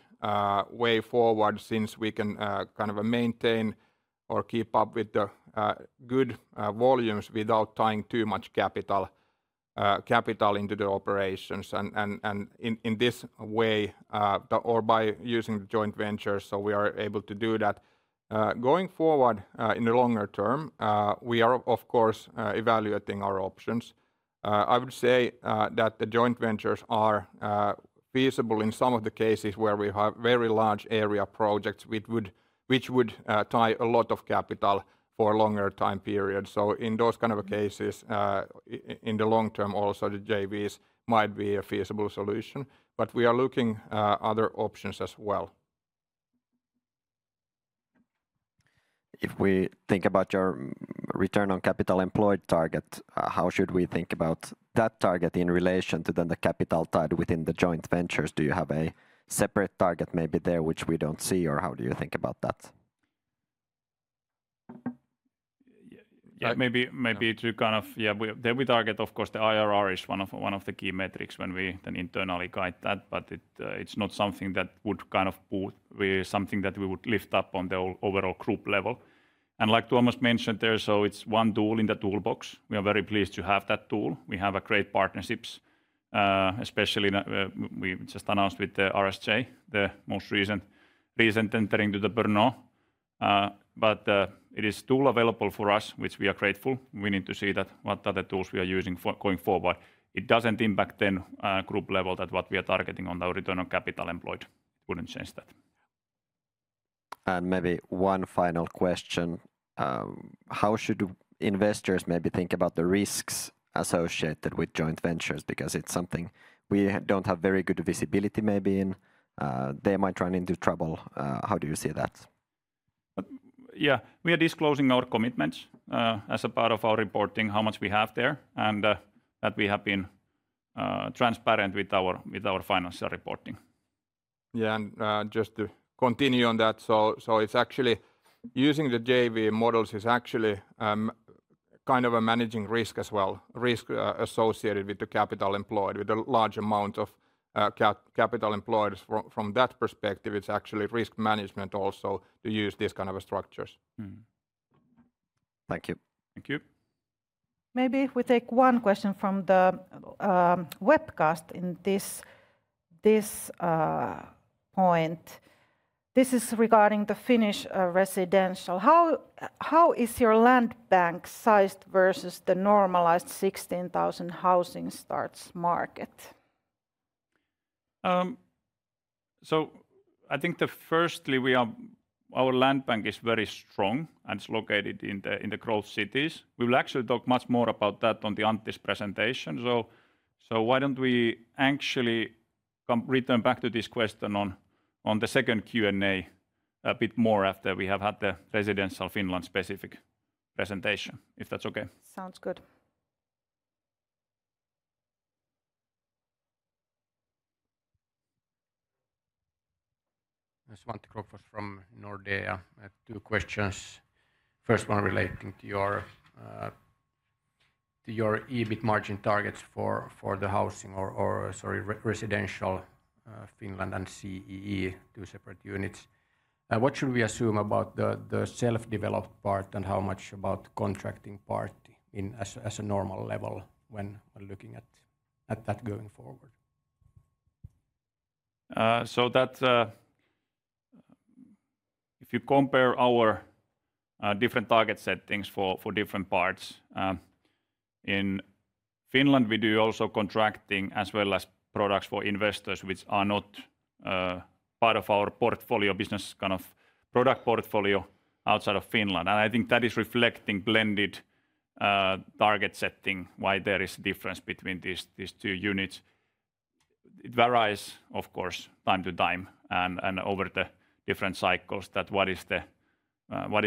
way forward since we can kind of maintain or keep up with the good volumes without tying too much capital into the operations. And in this way, or by using the joint ventures, so we are able to do that. Going forward in the longer term, we are of course evaluating our options. I would say that the joint ventures are feasible in some of the cases where we have very large area projects which would tie a lot of capital for a longer time period. So in those kind of cases, in the long term also, the JVs might be a feasible solution, but we are looking at other options as well. If we think about your return on capital employed target, how should we think about that target in relation to then the capital tied within the joint ventures? Do you have a separate target maybe there which we don't see, or how do you think about that? Maybe to kind of, yeah, we target, of course, the IRR is one of the key metrics when we then internally guide that, but it's not something that would kind of be something that we would lift up on the overall group level. And like Tuomas mentioned there, so it's one tool in the toolbox. We are very pleased to have that tool. We have great partnerships, especially we just announced with the RSJ, the most recent entering to the Brno. But it is a tool available for us, which we are grateful. We need to see that what are the tools we are using going forward. It doesn't impact then group level that what we are targeting on our return on capital employed. It wouldn't change that. Maybe one final question. How should investors maybe think about the risks associated with joint ventures? Because it's something we don't have very good visibility maybe in. They might run into trouble. How do you see that? Yeah, we are disclosing our commitments as a part of our reporting, how much we have there, and that we have been transparent with our financial reporting. Yeah, and just to continue on that, so it's actually using the JV models is actually kind of a managing risk as well, risk associated with the capital employed, with a large amount of capital employed. From that perspective, it's actually risk management also to use these kind of structures. Thank you. Thank you. Maybe if we take one question from the webcast in this point. This is regarding the Finnish residential. How is your land bank sized versus the normalized 16,000 housing starts market? So I think firstly our land bank is very strong and it's located in the growth cities. We will actually talk much more about that on the Antti's presentation. So why don't we actually return back to this question on the second Q&A a bit more after we have had the residential Finland specific presentation, if that's okay. Sounds good. Svante Krokfors from Nordea. I have two questions. First one relating to your EBIT margin targets for the housing or residential Finland and CEE, two separate units. What should we assume about the self-developed part and how much about contracting part as a normal level when looking at that going forward? If you compare our different target settings for different parts, in Finland we do also contracting as well as products for investors which are not part of our portfolio, business kind of product portfolio outside of Finland. I think that is reflecting blended target setting, why there is a difference between these two units. It varies, of course, time to time and over the different cycles that what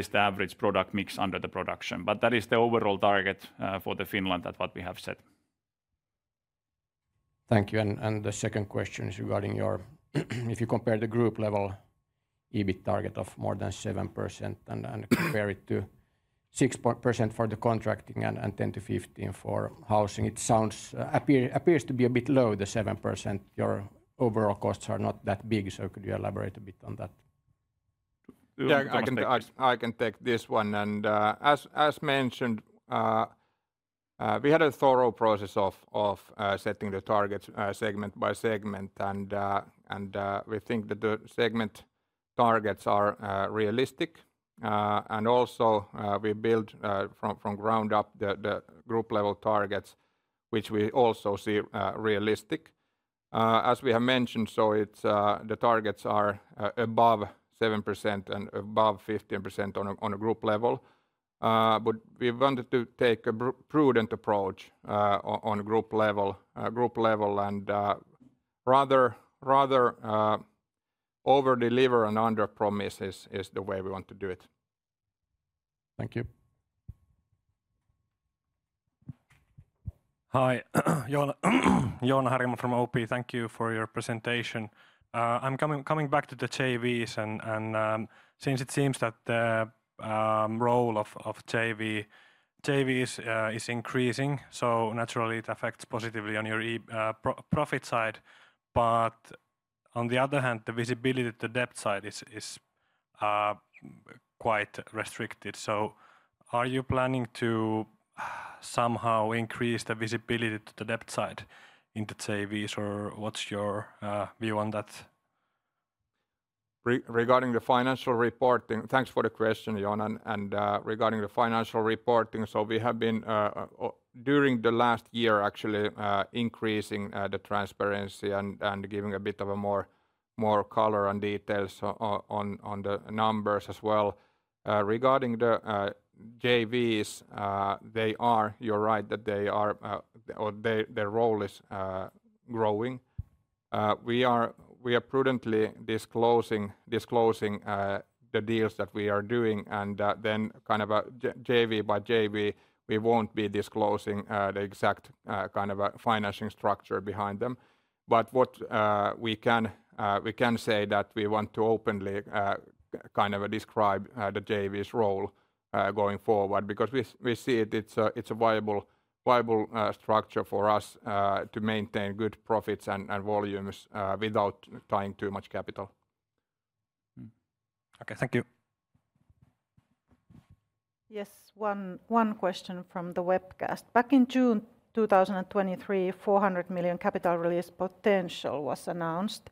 is the average product mix under the production. But that is the overall target for the Finland that what we have set. Thank you. The second question is regarding your, if you compare the group level EBIT target of more than 7% and compare it to 6% for the contracting and 10%-15% for housing, it sounds appears to be a bit low, the 7%. Your overall costs are not that big, so could you elaborate a bit on that? I can take this one. And as mentioned, we had a thorough process of setting the targets segment by segment, and we think that the segment targets are realistic. And also we built from ground up the group level targets, which we also see realistic. As we have mentioned, so the targets are above 7% and above 15% on a group level. But we wanted to take a prudent approach on group level and rather overdeliver and underpromise is the way we want to do it. Thank you. Hi, Joona Harkki from OP. Thank you for your presentation. I'm coming back to the JVs, and since it seems that the role of JVs is increasing, so naturally it affects positively on your profit side. But on the other hand, the visibility to the debt side is quite restricted. So are you planning to somehow increase the visibility to the debt side in the JVs, or what's your view on that? Regarding the financial reporting, thanks for the question, Joona. And regarding the financial reporting, so we have been during the last year actually increasing the transparency and giving a bit of a more color and details on the numbers as well. Regarding the JVs, they are, you're right that they are, their role is growing. We are prudently disclosing the deals that we are doing, and then kind of a JV by JV, we won't be disclosing the exact kind of a financing structure behind them. But what we can say that we want to openly kind of describe the JV's role going forward, because we see it's a viable structure for us to maintain good profits and volumes without tying too much capital. Okay, thank you. Yes, one question from the webcast. Back in June 2023, 400 million capital release potential was announced.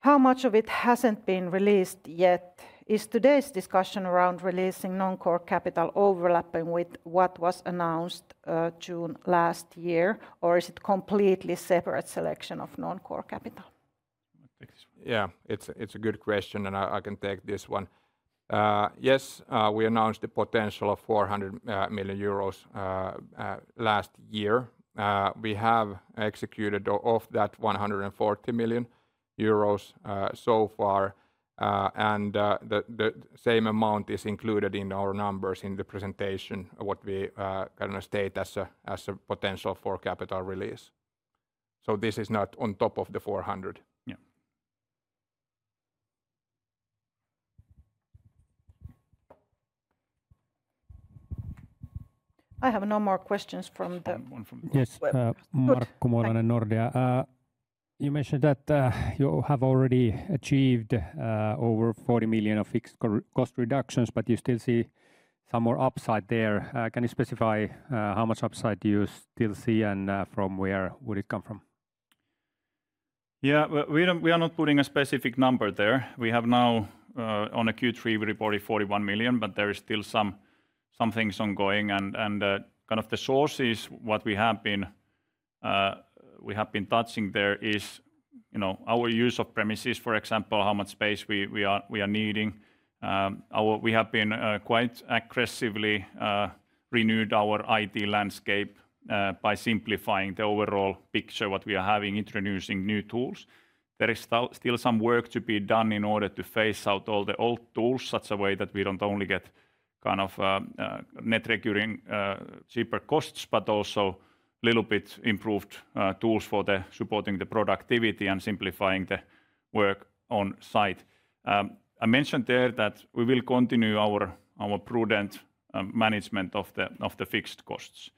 How much of it hasn't been released yet? Is today's discussion around releasing non-core capital overlapping with what was announced June last year, or is it completely separate selection of non-core capital? Yeah, it's a good question, and I can take this one. Yes, we announced the potential of 400 million euros last year. We have executed off that 140 million euros so far, and the same amount is included in our numbers in the presentation of what we kind of state as a potential for capital release. So this is not on top of the 400. Yeah. I have no more questions from the. Yes, Svante Krokfors, Nordea. You mentioned that you have already achieved over 40 million of fixed cost reductions, but you still see some more upside there. Can you specify how much upside you still see and from where would it come from? Yeah, we are not putting a specific number there. We have now, on a Q3, we reported 41 million, but there is still some things ongoing. And kind of the sources what we have been touching there is our use of premises, for example, how much space we are needing. We have been quite aggressively renewed our IT landscape by simplifying the overall picture what we are having, introducing new tools. There is still some work to be done in order to phase out all the old tools in such a way that we don't only get kind of net recurring cheaper costs, but also a little bit improved tools for supporting the productivity and simplifying the work on site. I mentioned there that we will continue our prudent management of the fixed costs.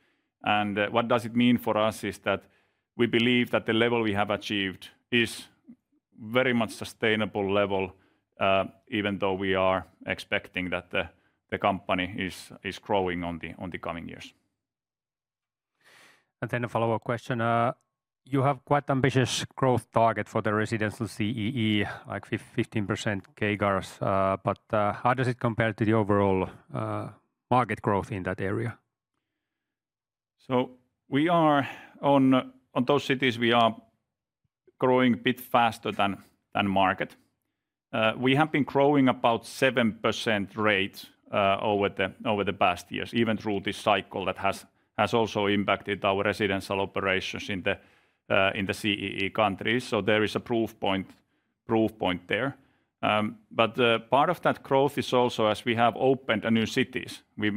What does it mean for us is that we believe that the level we have achieved is very much sustainable level, even though we are expecting that the company is growing in the coming years. Then a follow-up question. You have quite ambitious growth target for the residential CEE, like 15% CAGR, but how does it compare to the overall market growth in that area? We are in those cities; we are growing a bit faster than market. We have been growing about 7% rate over the past years, even through this cycle that has also impacted our residential operations in the CEE countries. So there is a proof point there. But part of that growth is also as we have opened new cities. We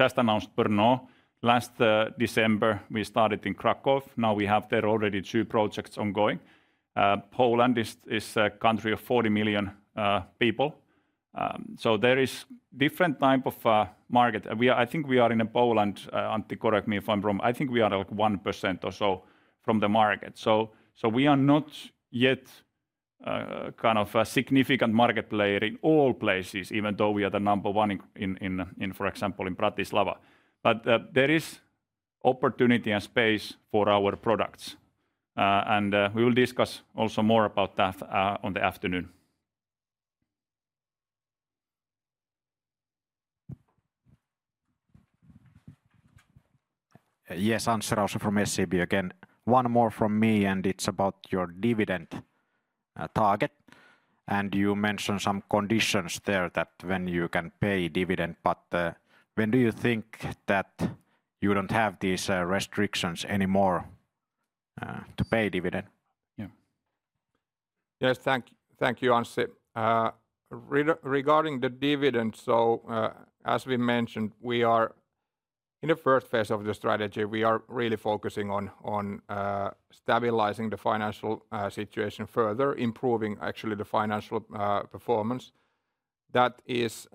just announced Brno last December. We started in Kraków. Now we have there already two projects ongoing. Poland is a country of 40 million people. So there is different type of market. I think we are in Poland, Antti Inkilä, if I'm wrong, I think we are like 1% or so from the market. So we are not yet kind of a significant market player in all places, even though we are the number one in, for example, in Bratislava. But there is opportunity and space for our products. And we will discuss also more about that in the afternoon. Yes, answer also from SEB again. One more from me, and it's about your dividend target. And you mentioned some conditions there that when you can pay dividend, but when do you think that you don't have these restrictions anymore to pay dividend? Yeah. Yes, thank you, Antti. Regarding the dividend, so as we mentioned, we are in the first phase of the strategy, we are really focusing on stabilizing the financial situation further, improving actually the financial performance. That is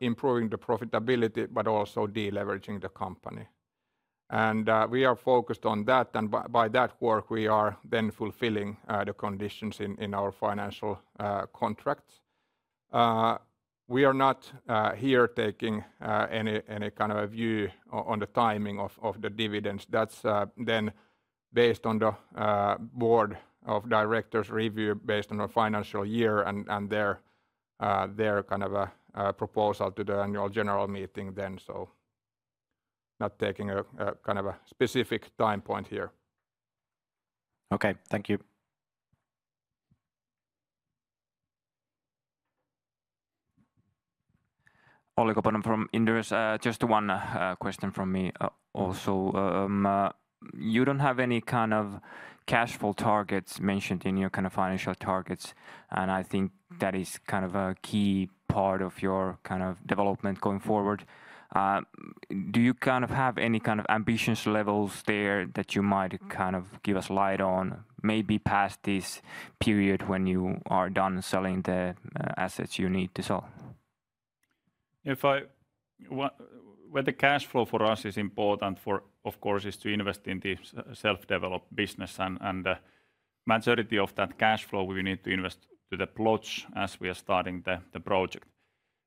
improving the profitability, but also deleveraging the company. And we are focused on that, and by that work, we are then fulfilling the conditions in our financial contracts. We are not here taking any kind of a view on the timing of the dividends. That's then based on the board of directors review based on our financial year and their kind of a proposal to the annual general meeting then. So not taking a kind of a specific time point here. Okay, thank you. Olli Koponen from Inderes. Just one question from me also. You don't have any kind of cash flow targets mentioned in your kind of financial targets, and I think that is kind of a key part of your kind of development going forward. Do you kind of have any kind of ambition levels there that you might kind of give us light on, maybe past this period when you are done selling the assets you need to sell? When the cash flow for us is important, of course, is to invest in the self-developed business, and the majority of that cash flow we need to invest to the plots as we are starting the project.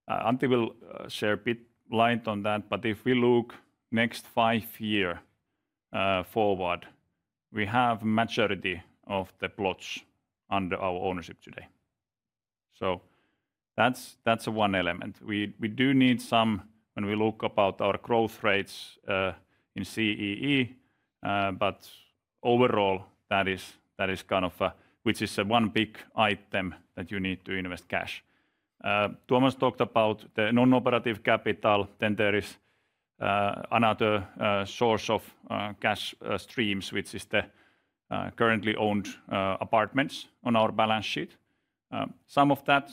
Antti will shed a little light on that, but if we look next five years forward, we have a majority of the plots under our ownership today. So that's one element. We do need some when we look about our growth rates in CEE, but overall that is kind of a, which is a one big item that you need to invest cash. Tuomas talked about the non-operative capital, then there is another source of cash streams, which is the currently owned apartments on our balance sheet. Some of that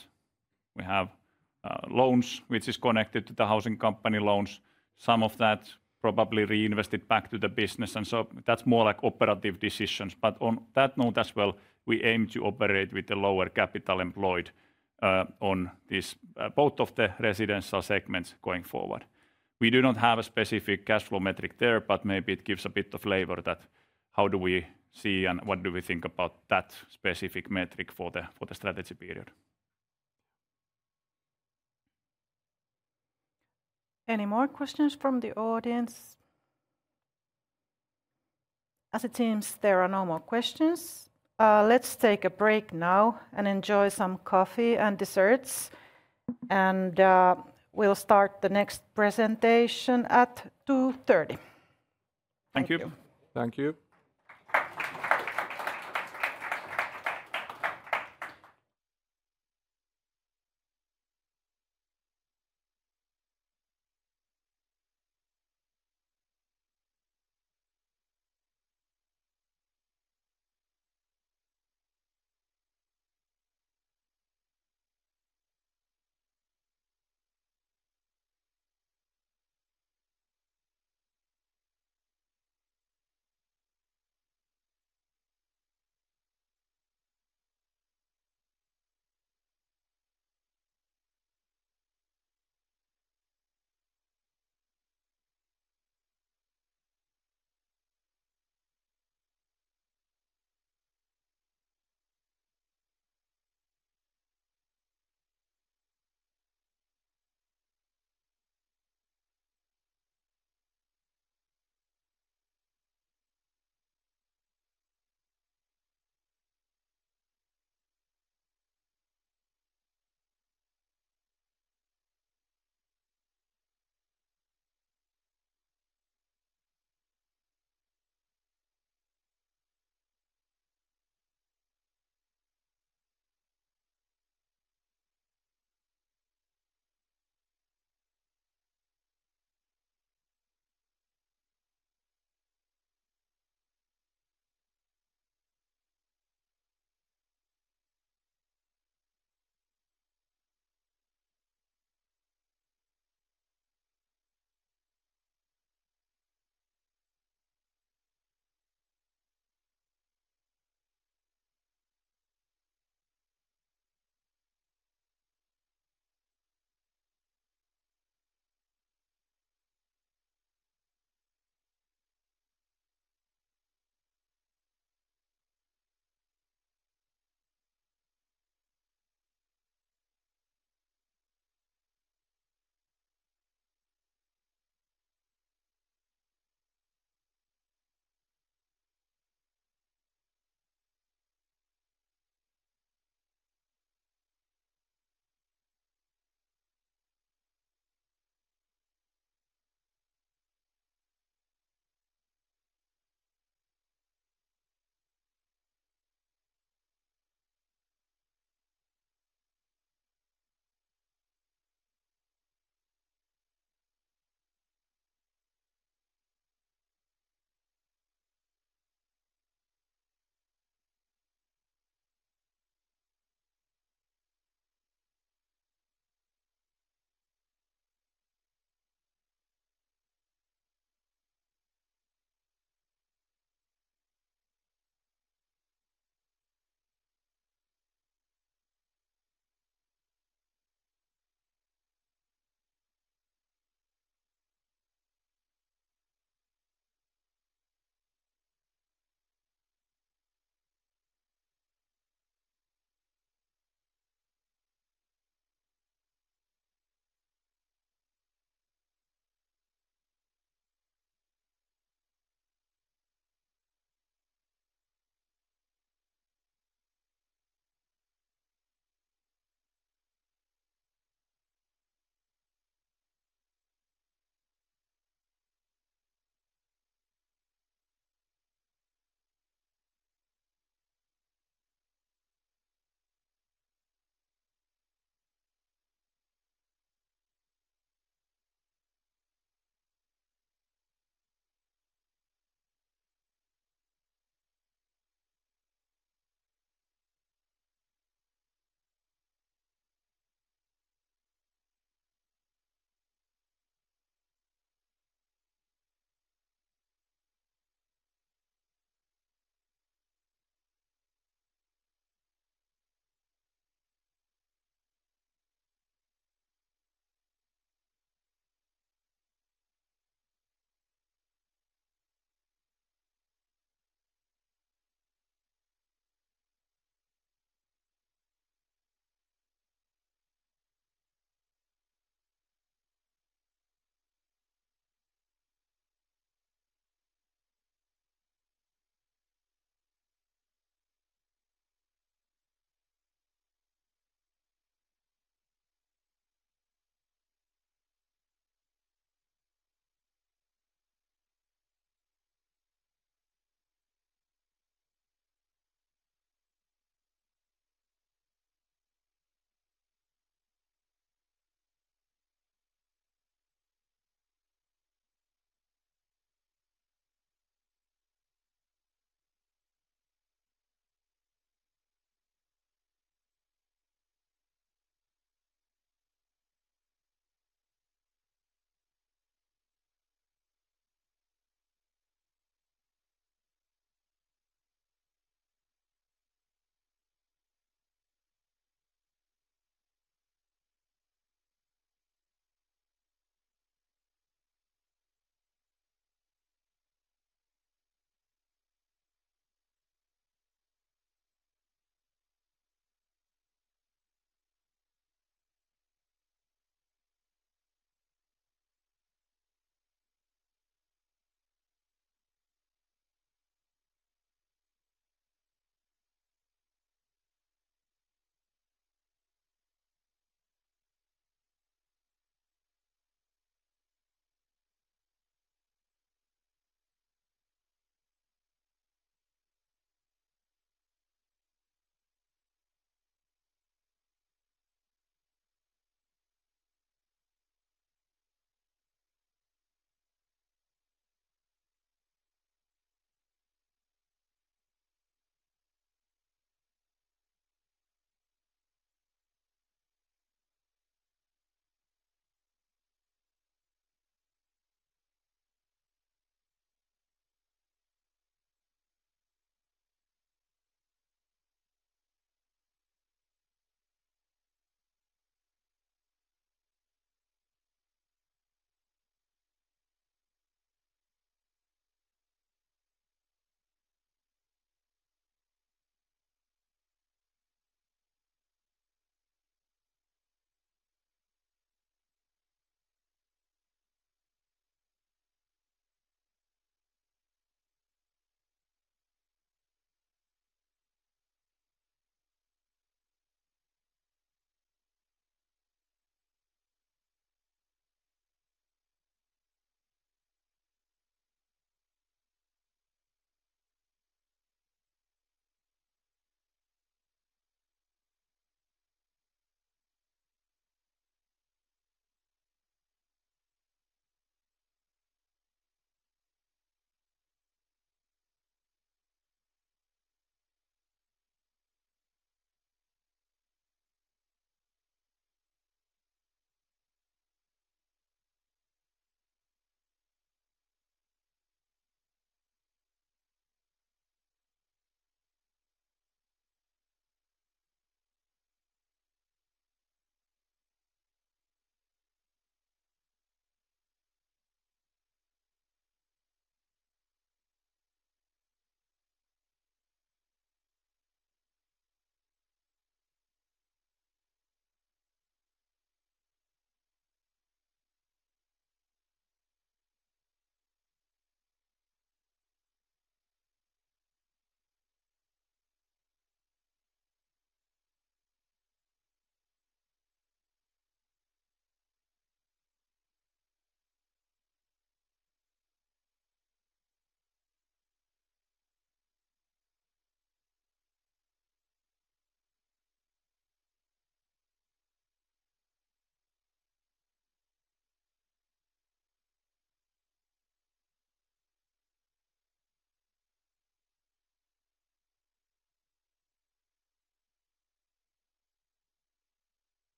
we have loans, which is connected to the housing company loans. Some of that probably reinvested back to the business, and so that's more like operative decisions. But on that note as well, we aim to operate with the lower capital employed on both of the residential segments going forward. We do not have a specific cash flow metric there, but maybe it gives a bit of flavor that how do we see and what do we think about that specific metric for the strategy period. Any more questions from the audience? As it seems there are no more questions. Let's take a break now and enjoy some coffee and desserts, and we'll start the next presentation at 2:30 P.M. Thank you. Thank you.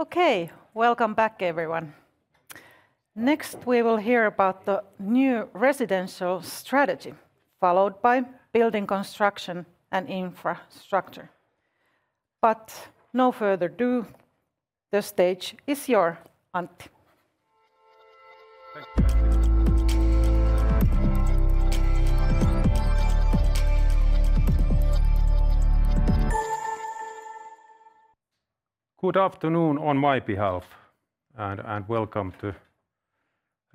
Okay, welcome back, everyone. Next, we will hear about the new residential strategy, followed by building construction and infrastructure. But no further ado, the stage is yours, Antti. Good afternoon on my behalf, and welcome to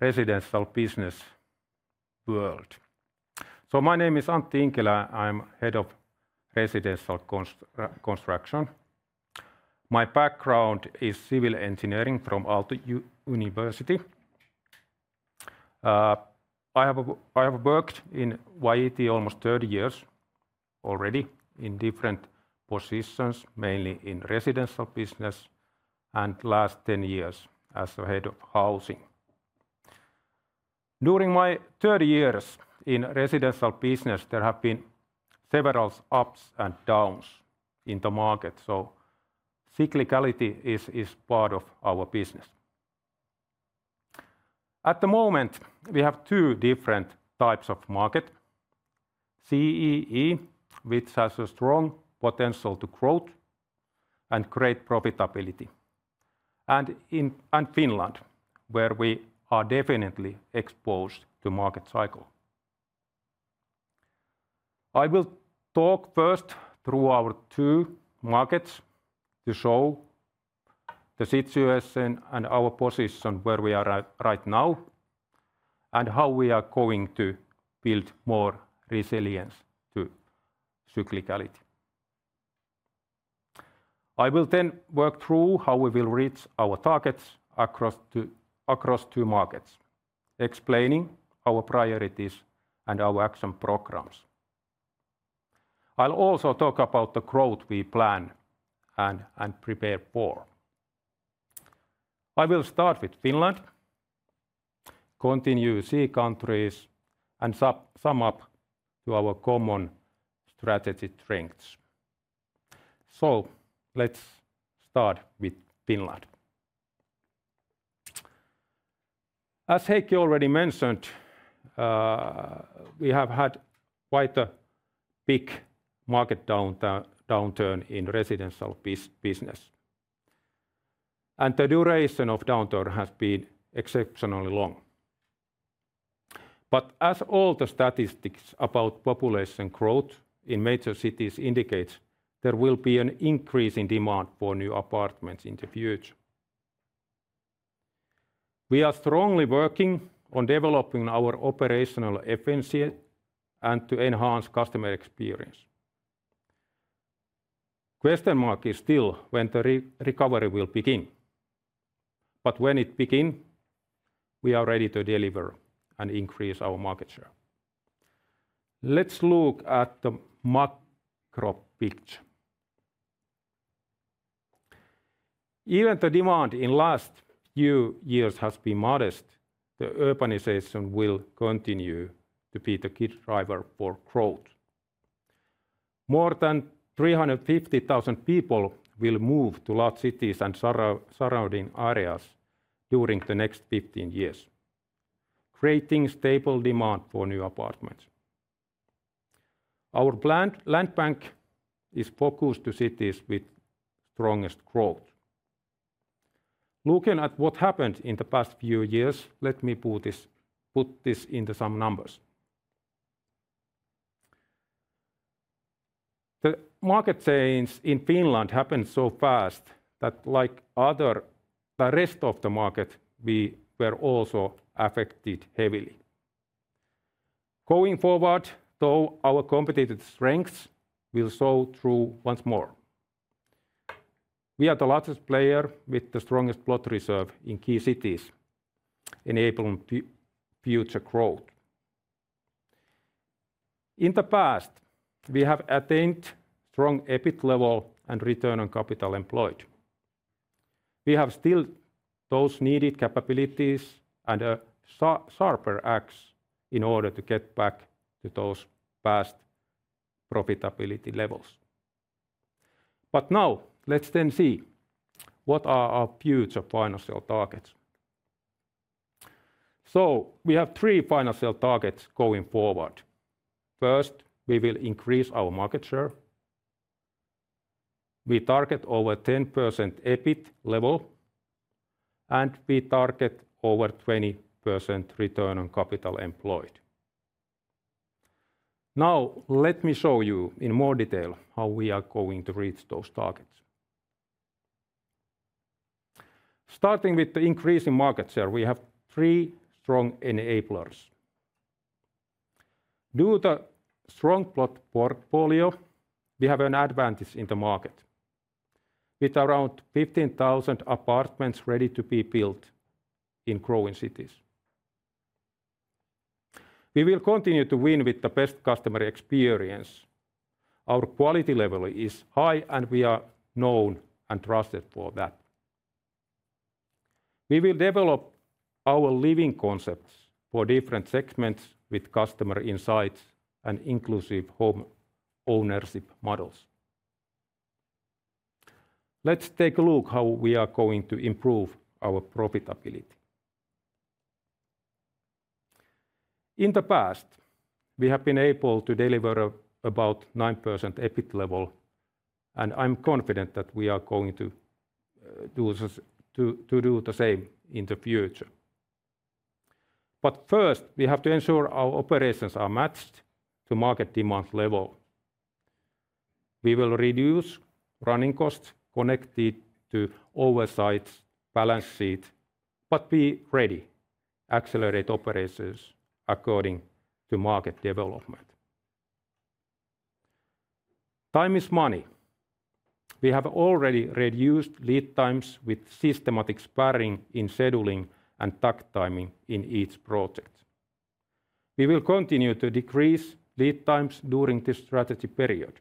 Residential Business World. My name is Antti Inkilä, and I'm head of residential construction. My background is civil engineering from Aalto University. I have worked in YIT almost 30 years already in different positions, mainly in residential business, and the last 10 years as the head of housing. During my 30 years in residential business, there have been several ups and downs in the market, so cyclicality is part of our business. At the moment, we have two different types of markets: CEE, which has a strong potential to grow and create profitability, and Finland, where we are definitely exposed to the market cycle. I will talk first through our two markets to show the situation and our position where we are right now, and how we are going to build more resilience to cyclicality. I will then work through how we will reach our targets across two markets, explaining our priorities and our action programs. I'll also talk about the growth we plan and prepare for. I will start with Finland, continue with CEE countries, and sum up to our common strategy strengths. So let's start with Finland. As Heikki already mentioned, we have had quite a big market downturn in residential business, and the duration of the downturn has been exceptionally long. But as all the statistics about population growth in major cities indicate, there will be an increase in demand for new apartments in the future. We are strongly working on developing our operational efficiency and to enhance customer experience. The question mark is still when the recovery will begin, but when it begins, we are ready to deliver and increase our market share. Let's look at the macro picture. Even though demand in the last few years has been modest, the urbanization will continue to be the key driver for growth. More than 350,000 people will move to large cities and surrounding areas during the next 15 years, creating stable demand for new apartments. Our land bank is focused on cities with the strongest growth. Looking at what happened in the past few years, let me put this into some numbers. The market change in Finland happened so fast that, like the rest of the market, we were also affected heavily. Going forward, though, our competitive strengths will show through once more. We are the largest player with the strongest plot reserve in key cities, enabling future growth. In the past, we have attained strong EBIT levels and return on capital employed. We have still those needed capabilities and a sharper axe in order to get back to those past profitability levels. But now, let's then see what are our future financial targets. So we have three financial targets going forward. First, we will increase our market share. We target over 10% EBIT level, and we target over 20% return on capital employed. Now, let me show you in more detail how we are going to reach those targets. Starting with the increase in market share, we have three strong enablers. Due to the strong plot portfolio, we have an advantage in the market with around 15,000 apartments ready to be built in growing cities. We will continue to win with the best customer experience. Our quality level is high, and we are known and trusted for that. We will develop our living concepts for different segments with customer insights and inclusive home ownership models. Let's take a look at how we are going to improve our profitability. In the past, we have been able to deliver about 9% EBIT level, and I'm confident that we are going to do the same in the future. But first, we have to ensure our operations are matched to market demand level. We will reduce running costs connected to oversized balance sheet, but be ready to accelerate operations according to market development. Time is money. We have already reduced lead times with systematic sparring in scheduling and takt timing in each project. We will continue to decrease lead times during the strategy period.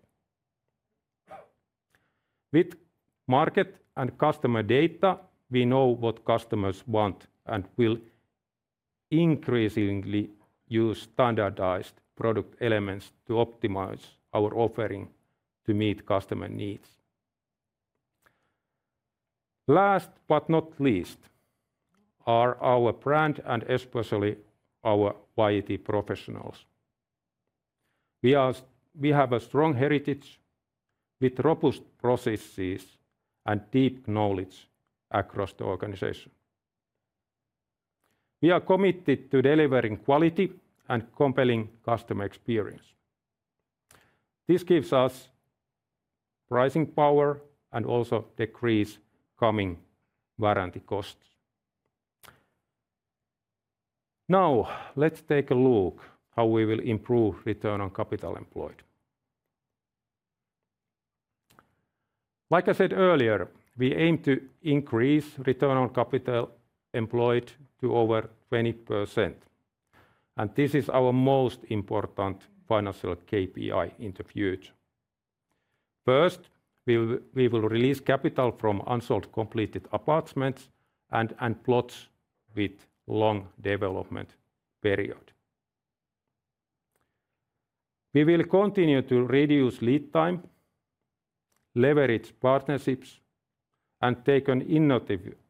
With market and customer data, we know what customers want and will increasingly use standardized product elements to optimize our offering to meet customer needs. Last but not least are our brand and especially our YIT professionals. We have a strong heritage with robust processes and deep knowledge across the organization. We are committed to delivering quality and compelling customer experience. This gives us pricing power and also decreases coming warranty costs. Now, let's take a look at how we will improve return on capital employed. Like I said earlier, we aim to increase return on capital employed to over 20%, and this is our most important financial KPI in the future. First, we will release capital from unsold completed apartments and plots with a long development period. We will continue to reduce lead time, leverage partnerships, and take an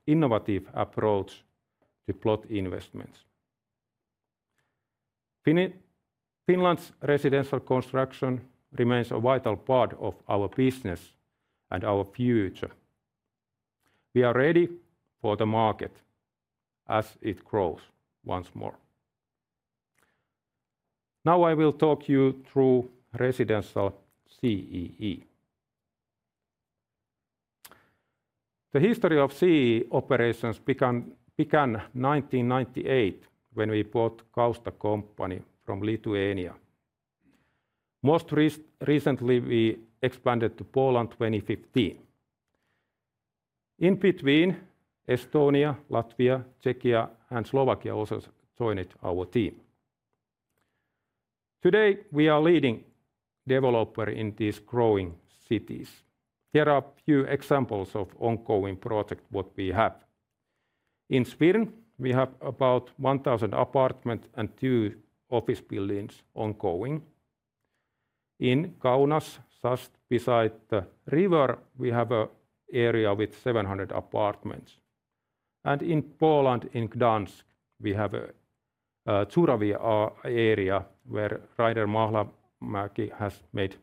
innovative approach to plot investments. Finland's residential construction remains a vital part of our business and our future. We are ready for the market as it grows once more. Now, I will talk you through residential CEE. The history of CEE operations began in 1998 when we bought Kausta Company from Lithuania. Most recently, we expanded to Poland in 2015. In between, Estonia, Latvia, Czechia, and Slovakia also joined our team. Today, we are leading developers in these growing cities. There are a few examples of ongoing projects that we have. In Sweden, we have about 1,000 apartments and two office buildings ongoing. In Kaunas, just beside the river, we have an area with 700 apartments. And in Poland, in Gdańsk, we have a Żurawia area where Rainer Mahlamäki has made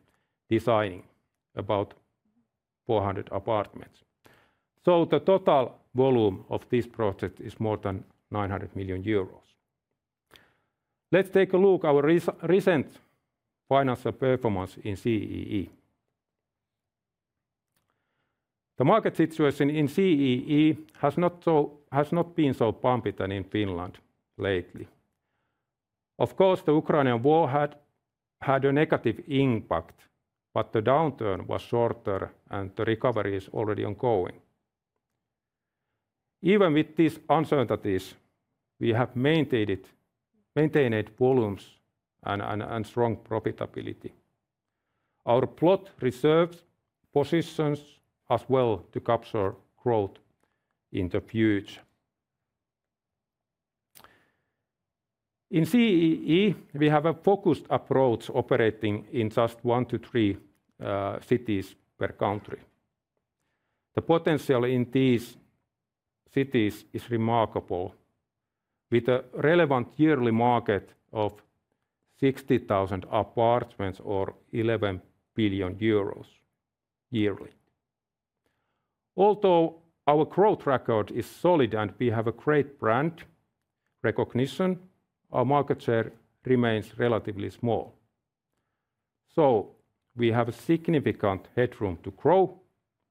designing about 400 apartments. So the total volume of this project is more than 900 million euros. Let's take a look at our recent financial performance in CEE. The market situation in CEE has not been so bumpy than in Finland lately. Of course, the Ukrainian war had a negative impact, but the downturn was shorter, and the recovery is already ongoing. Even with these uncertainties, we have maintained volumes and strong profitability. Our plot reserves positions as well to capture growth in the future. In CEE, we have a focused approach operating in just one to three cities per country. The potential in these cities is remarkable, with a relevant yearly market of 60,000 apartments or 11 billion euros yearly. Although our growth record is solid and we have a great brand recognition, our market share remains relatively small. So we have a significant headroom to grow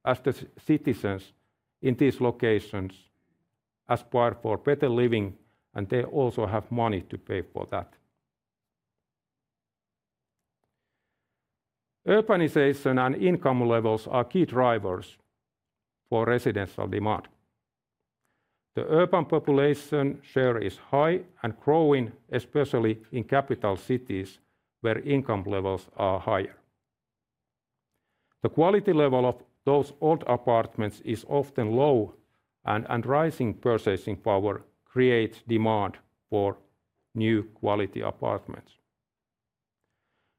as the citizens in these locations aspire for better living, and they also have money to pay for that. Urbanization and income levels are key drivers for residential demand. The urban population share is high and growing, especially in capital cities where income levels are higher. The quality level of those old apartments is often low, and rising purchasing power creates demand for new quality apartments.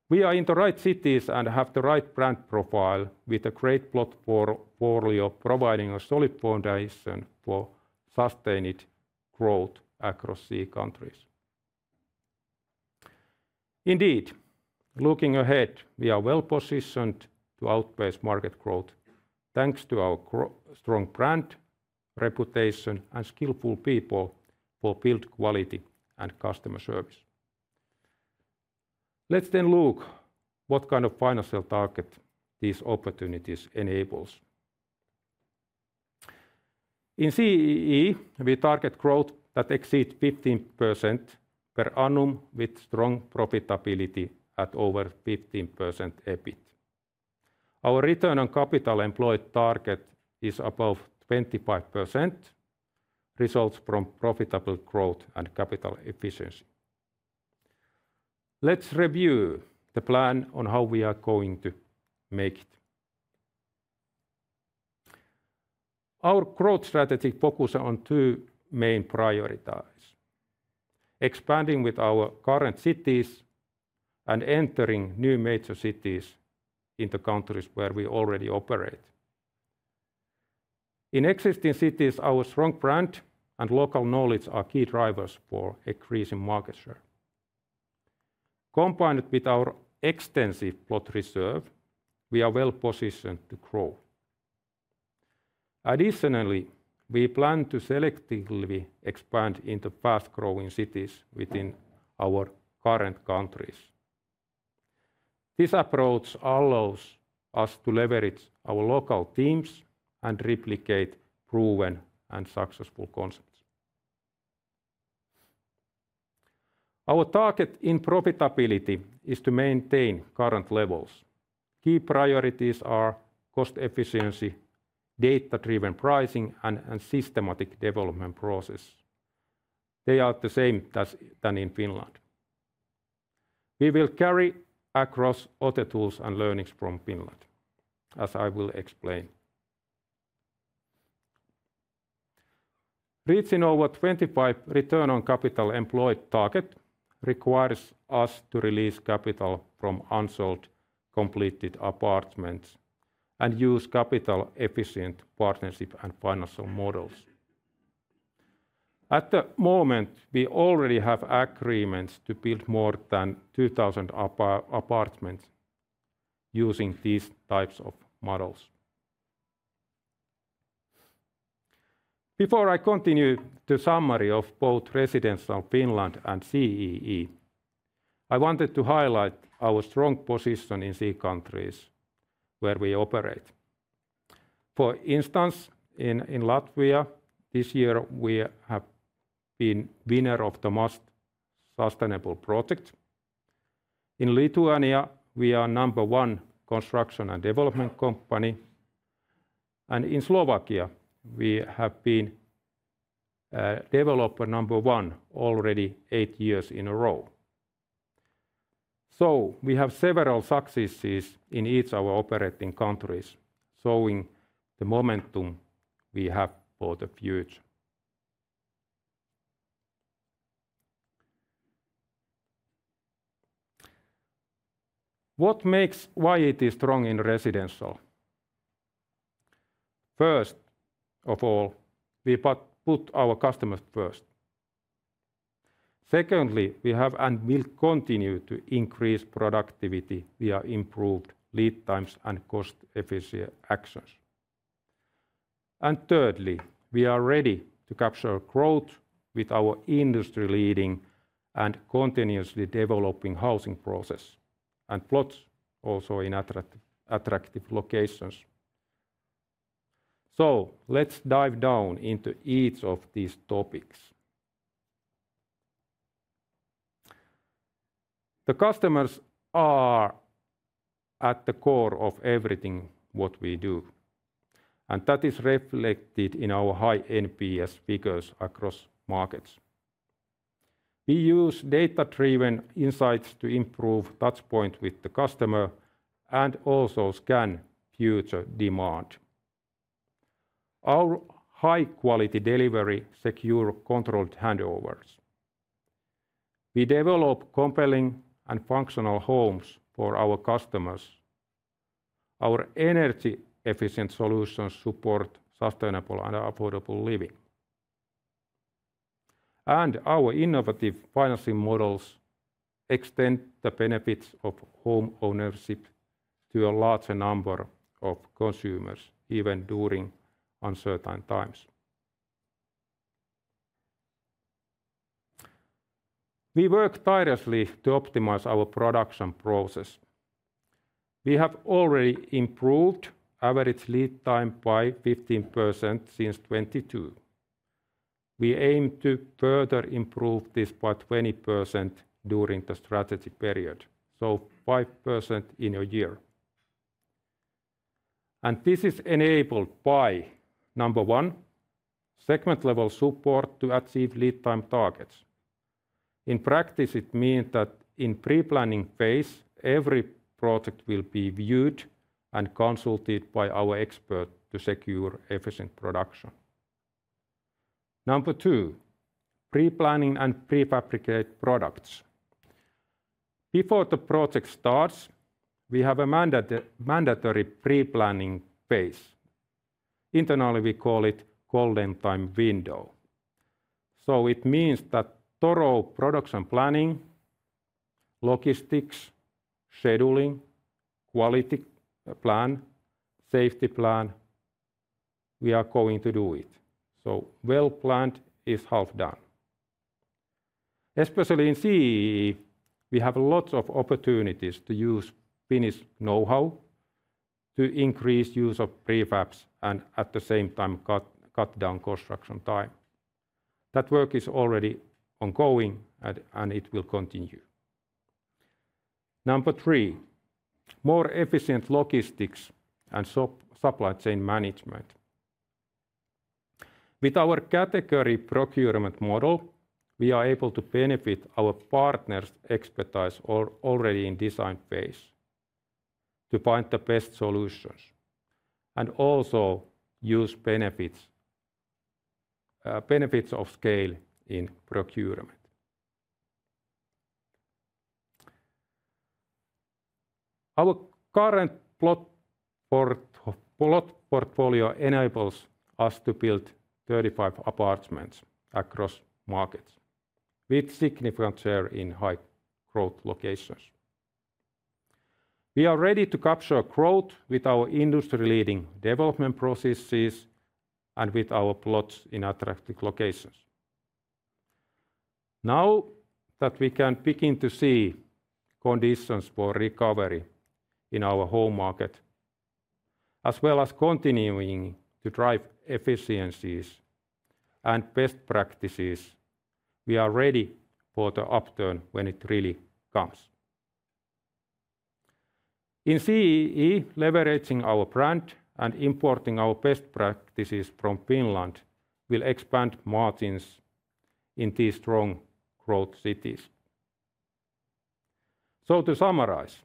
We are in the right cities and have the right brand profile with a great plot portfolio, providing a solid foundation for sustained growth across CEE countries. Indeed, looking ahead, we are well positioned to outpace market growth thanks to our strong brand, reputation, and skillful people for build quality and customer service. Let's then look at what kind of financial target these opportunities enables. In CEE, we target growth that exceeds 15% per annum with strong profitability at over 15% EBIT. Our return on capital employed target is above 25%, resulting from profitable growth and capital efficiency. Let's review the plan on how we are going to make it. Our growth strategy focuses on two main priorities: expanding with our current cities and entering new major cities in the countries where we already operate. In existing cities, our strong brand and local knowledge are key drivers for increasing market share. Combined with our extensive plot reserve, we are well positioned to grow. Additionally, we plan to selectively expand into fast-growing cities within our current countries. This approach allows us to leverage our local teams and replicate proven and successful concepts. Our target in profitability is to maintain current levels. Key priorities are cost efficiency, data-driven pricing, and a systematic development process. They are the same as in Finland. We will carry across other tools and learnings from Finland, as I will explain. Reaching our 25% return on capital employed target requires us to release capital from unsold completed apartments and use capital-efficient partnership and financial models. At the moment, we already have agreements to build more than 2,000 apartments using these types of models. Before I continue to summarize both residential Finland and CEE, I wanted to highlight our strong position in CEE countries where we operate. For instance, in Latvia, this year we have been winners of the most sustainable project. In Lithuania, we are the number one construction and development company. And in Slovakia, we have been developer number one already eight years in a row. So we have several successes in each of our operating countries, showing the momentum we have for the future. What makes YIT strong in residential? First of all, we put our customers first. Secondly, we have and will continue to increase productivity via improved lead times and cost-efficient actions. Thirdly, we are ready to capture growth with our industry-leading and continuously developing housing process and plots also in attractive locations. Let's dive down into each of these topics. The customers are at the core of everything what we do, and that is reflected in our high NPS figures across markets. We use data-driven insights to improve touchpoint with the customer and also scan future demand. Our high-quality delivery secures controlled handovers. We develop compelling and functional homes for our customers. Our energy-efficient solutions support sustainable and affordable living. Our innovative financing models extend the benefits of home ownership to a larger number of consumers even during uncertain times. We work tirelessly to optimize our production process. We have already improved average lead time by 15% since 2022. We aim to further improve this by 20% during the strategy period, so 5% in a year. And this is enabled by number one, segment-level support to achieve lead time targets. In practice, it means that in the pre-planning phase, every project will be viewed and consulted by our experts to secure efficient production. Number two, pre-planning and pre-fabricate products. Before the project starts, we have a mandatory pre-planning phase. Internally, we call it the golden time window. So it means that thorough production planning, logistics, scheduling, quality plan, safety plan, we are going to do it. So well planned is half done. Especially in CEE, we have lots of opportunities to use Finnish know-how to increase the use of pre-fabs and at the same time cut down construction time. That work is already ongoing and it will continue. Number three, more efficient logistics and supply chain management. With our category procurement model, we are able to benefit our partners' expertise already in the design phase to find the best solutions and also use benefits of scale in procurement. Our current plot portfolio enables us to build 35 apartments across markets with a significant share in high-growth locations. We are ready to capture growth with our industry-leading development processes and with our plots in attractive locations. Now that we can begin to see conditions for recovery in our home market, as well as continuing to drive efficiencies and best practices, we are ready for the upturn when it really comes. In CEE, leveraging our brand and importing our best practices from Finland will expand margins in these strong growth cities. So to summarize,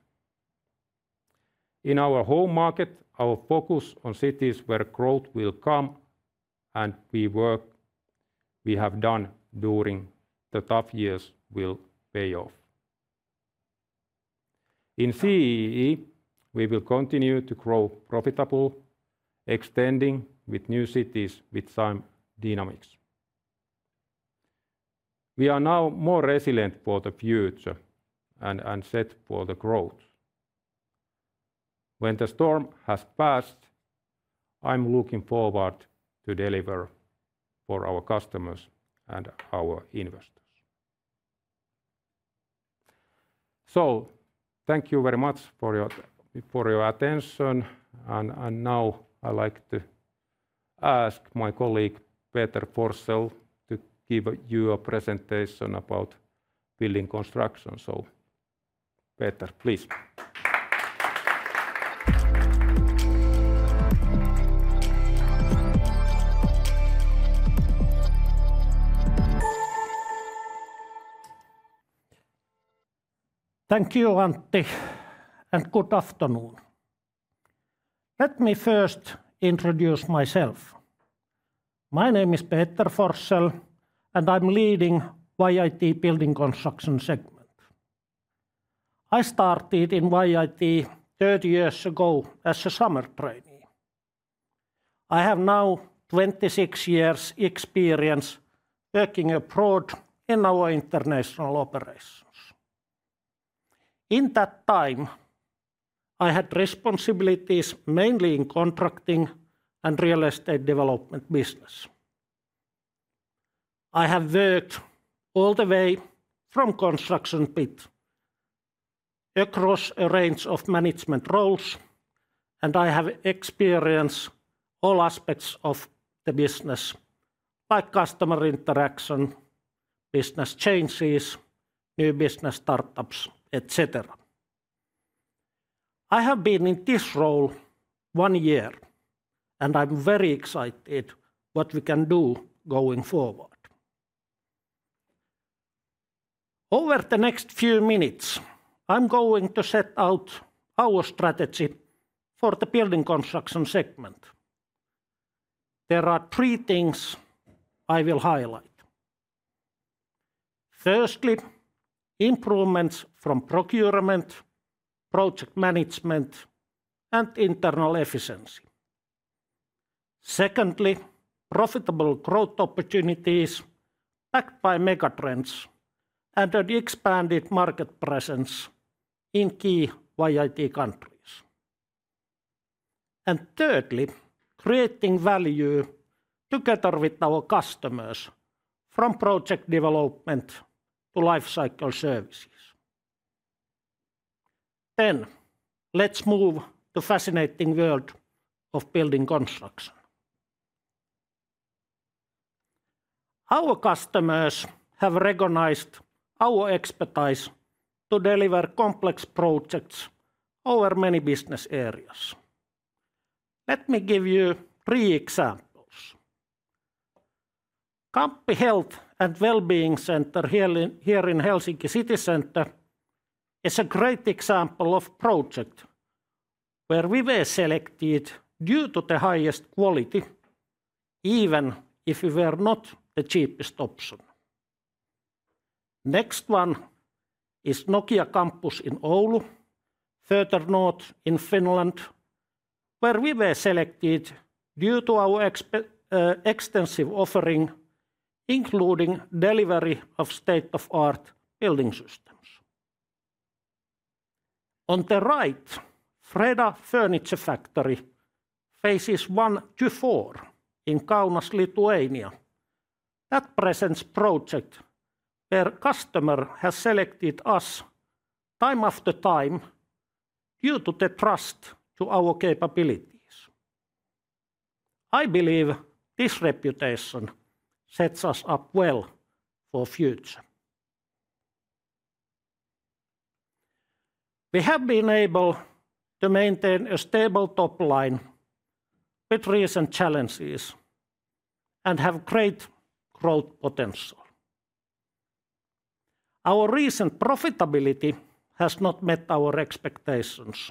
in our home market, our focus on cities where growth will come, and the work we have done during the tough years will pay off. In CEE, we will continue to grow profitable, extending with new cities with some dynamics. We are now more resilient for the future and set for the growth. When the storm has passed, I'm looking forward to deliver for our customers and our investors. Thank you very much for your attention. Now I'd like to ask my colleague Peter Forssell to give you a presentation about building construction. Peter, please. Thank you, Antti, and good afternoon. Let me first introduce myself. My name is Peter Forssell, and I'm leading YIT building construction segment. I started in YIT 30 years ago as a summer trainee. I have now 26 years' experience working abroad in our international operations. In that time, I had responsibilities mainly in contracting and real estate development business. I have worked all the way from construction site across a range of management roles, and I have experienced all aspects of the business, like customer interaction, business changes, new business startups, etc. I have been in this role one year, and I'm very excited about what we can do going forward. Over the next few minutes, I'm going to set out our strategy for the building construction segment. There are three things I will highlight. Firstly, improvements from procurement, project management, and internal efficiency. Secondly, profitable growth opportunities backed by megatrends and an expanded market presence in key YIT countries. And thirdly, creating value together with our customers from project development to life cycle services. Then, let's move to the fascinating world of building construction. Our customers have recognized our expertise to deliver complex projects over many business areas. Let me give you three examples. Kamppi Health and Well-being Centre here in Helsinki city center is a great example of a project where we were selected due to the highest quality, even if we were not the cheapest option. Next one is Nokia Campus in Oulu, further north in Finland, where we were selected due to our extensive offering, including delivery of state-of-the-art building systems. On the right, Freda Furniture Factory phase 1-4 in Kaunas, Lithuania, that presents a project where customers have selected us time after time due to their trust in our capabilities. I believe this reputation sets us up well for the future. We have been able to maintain a stable top line with recent challenges and have great growth potential. Our recent profitability has not met our expectations,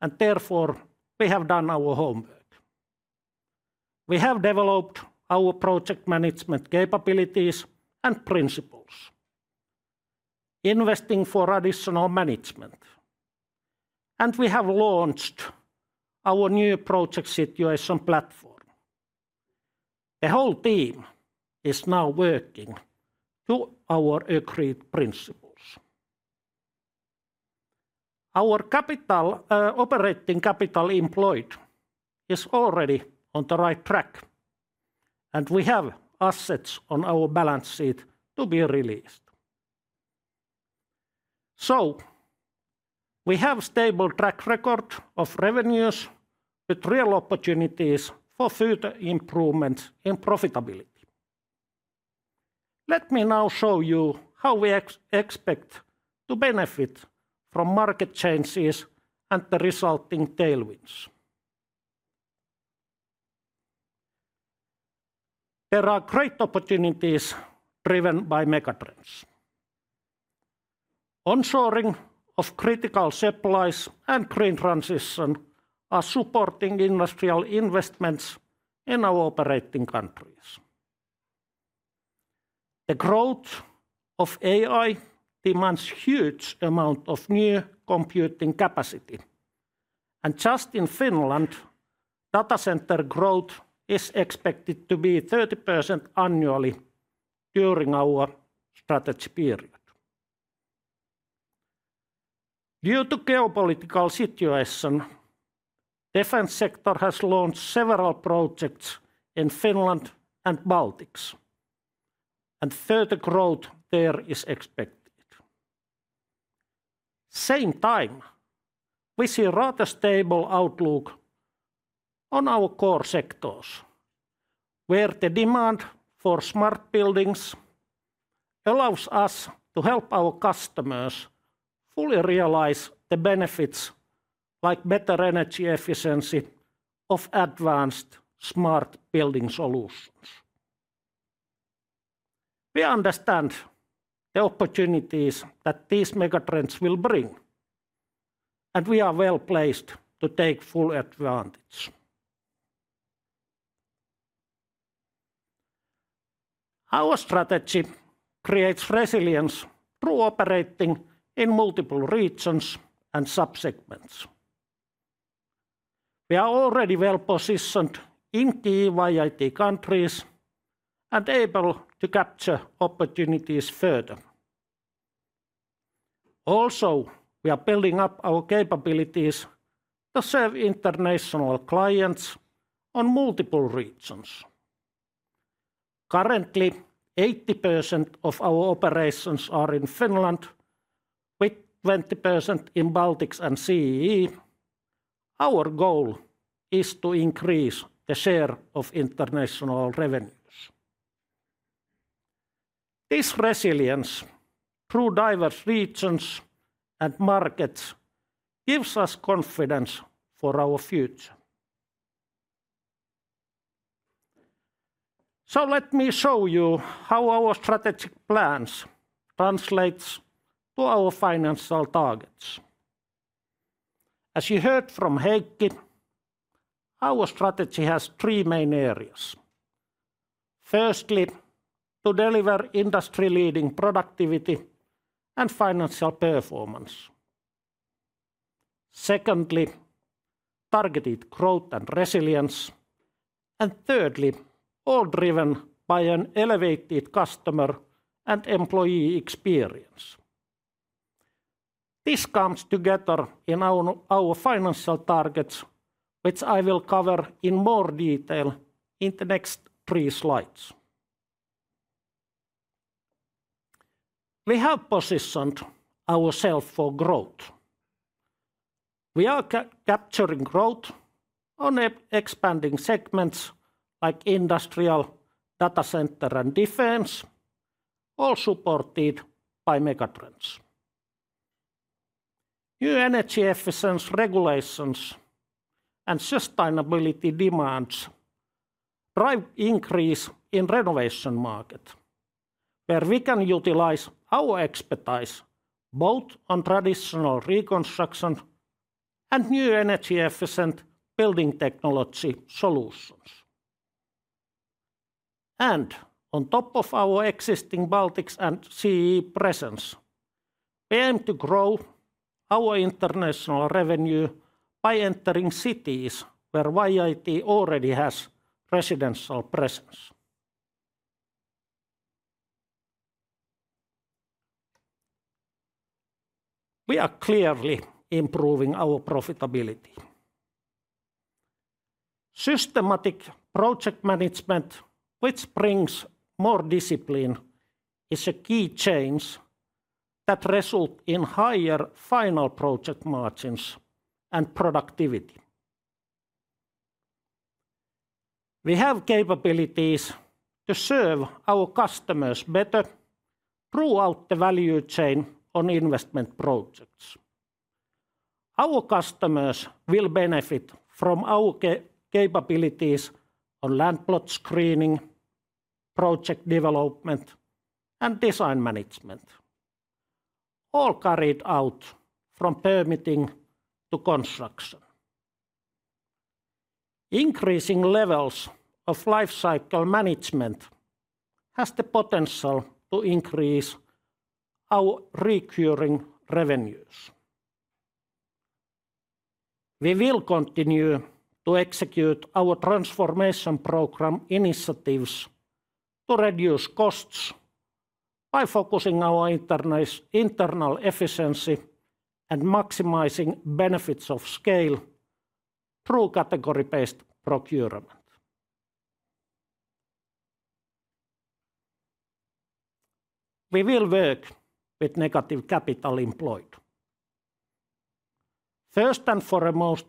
and therefore we have done our homework. We have developed our project management capabilities and principles, investing for additional management, and we have launched our new project situation platform. The whole team is now working to our agreed principles. Our operating capital employed is already on the right track, and we have assets on our balance sheet to be released. So we have a stable track record of revenues with real opportunities for further improvements in profitability. Let me now show you how we expect to benefit from market changes and the resulting tailwinds. There are great opportunities driven by megatrends. Onshoring of critical supplies and green transition are supporting industrial investments in our operating countries. The growth of AI demands a huge amount of new computing capacity, and just in Finland, data center growth is expected to be 30% annually during our strategy period. Due to the geopolitical situation, the defense sector has launched several projects in Finland and the Baltics, and further growth there is expected. At the same time, we see a rather stable outlook on our core sectors, where the demand for smart buildings allows us to help our customers fully realize the benefits, like better energy efficiency of advanced smart building solutions. We understand the opportunities that these megatrends will bring, and we are well placed to take full advantage. Our strategy creates resilience through operating in multiple regions and subsegments. We are already well positioned in key YIT countries and able to capture opportunities further. Also, we are building up our capabilities to serve international clients in multiple regions. Currently, 80% of our operations are in Finland, with 20% in Baltics and CEE. Our goal is to increase the share of international revenues. This resilience through diverse regions and markets gives us confidence for our future. So let me show you how our strategic plans translate to our financial targets. As you heard from Heikki, our strategy has three main areas. Firstly, to deliver industry-leading productivity and financial performance. Secondly, targeted growth and resilience. And thirdly, all driven by an elevated customer and employee experience. This comes together in our financial targets, which I will cover in more detail in the next three slides. We have positioned ourselves for growth. We are capturing growth on expanding segments like industrial, data center, and defense, all supported by megatrends. New energy efficiency regulations and sustainability demands drive an increase in the renovation market, where we can utilize our expertise both on traditional reconstruction and new energy-efficient building technology solutions. On top of our existing Baltics and CEE presence, we aim to grow our international revenue by entering cities where YIT already has a residential presence. We are clearly improving our profitability. Systematic project management, which brings more discipline, is a key change that results in higher final project margins and productivity. We have capabilities to serve our customers better throughout the value chain on investment projects. Our customers will benefit from our capabilities on land plot screening, project development, and design management, all carried out from permitting to construction. Increasing levels of life cycle management has the potential to increase our recurring revenues. We will continue to execute our transformation program initiatives to reduce costs by focusing on our internal efficiency and maximizing benefits of scale through category-based procurement. We will work with negative capital employed. First and foremost,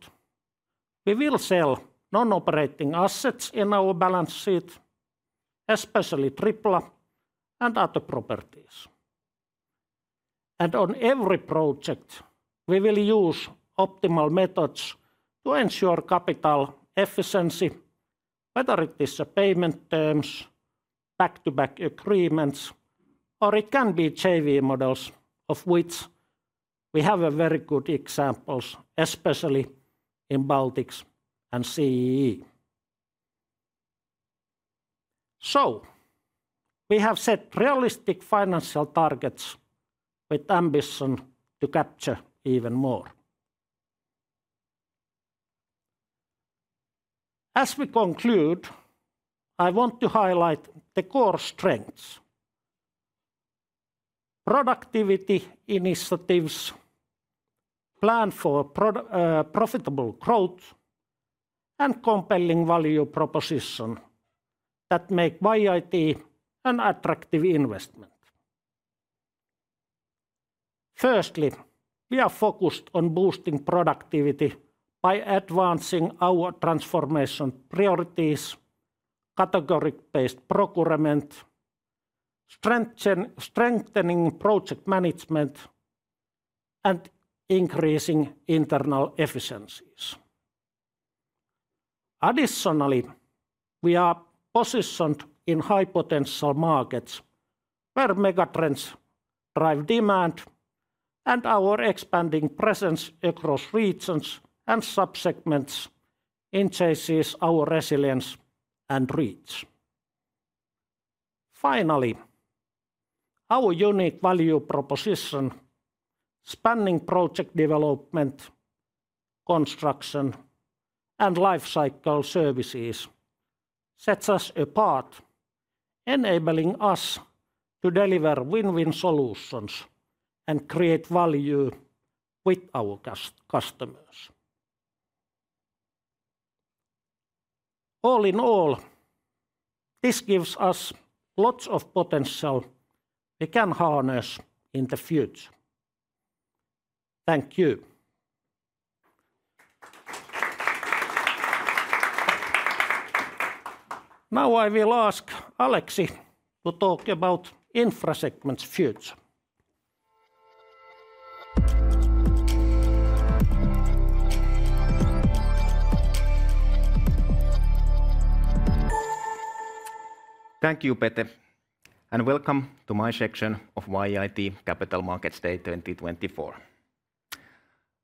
we will sell non-operating assets in our balance sheet, especially Tripla and other properties, and on every project, we will use optimal methods to ensure capital efficiency, whether it is payment terms, back-to-back agreements, or it can be JV models, of which we have very good examples, especially in Baltics and CEE, so we have set realistic financial targets with ambition to capture even more. As we conclude, I want to highlight the core strengths: productivity initiatives, a plan for profitable growth, and compelling value propositions that make YIT an attractive investment. Firstly, we are focused on boosting productivity by advancing our transformation priorities, category-based procurement, strengthening project management, and increasing internal efficiencies. Additionally, we are positioned in high-potential markets where megatrends drive demand, and our expanding presence across regions and subsegments increases our resilience and reach. Finally, our unique value proposition spanning project development, construction, and life cycle services sets us apart, enabling us to deliver win-win solutions and create value with our customers. All in all, this gives us lots of potential we can harness in the future. Thank you. Now I will ask Aleksi to talk about infrastructure segment future. Thank you, Pete, and welcome to my section of YIT Capital Markets Day 2024.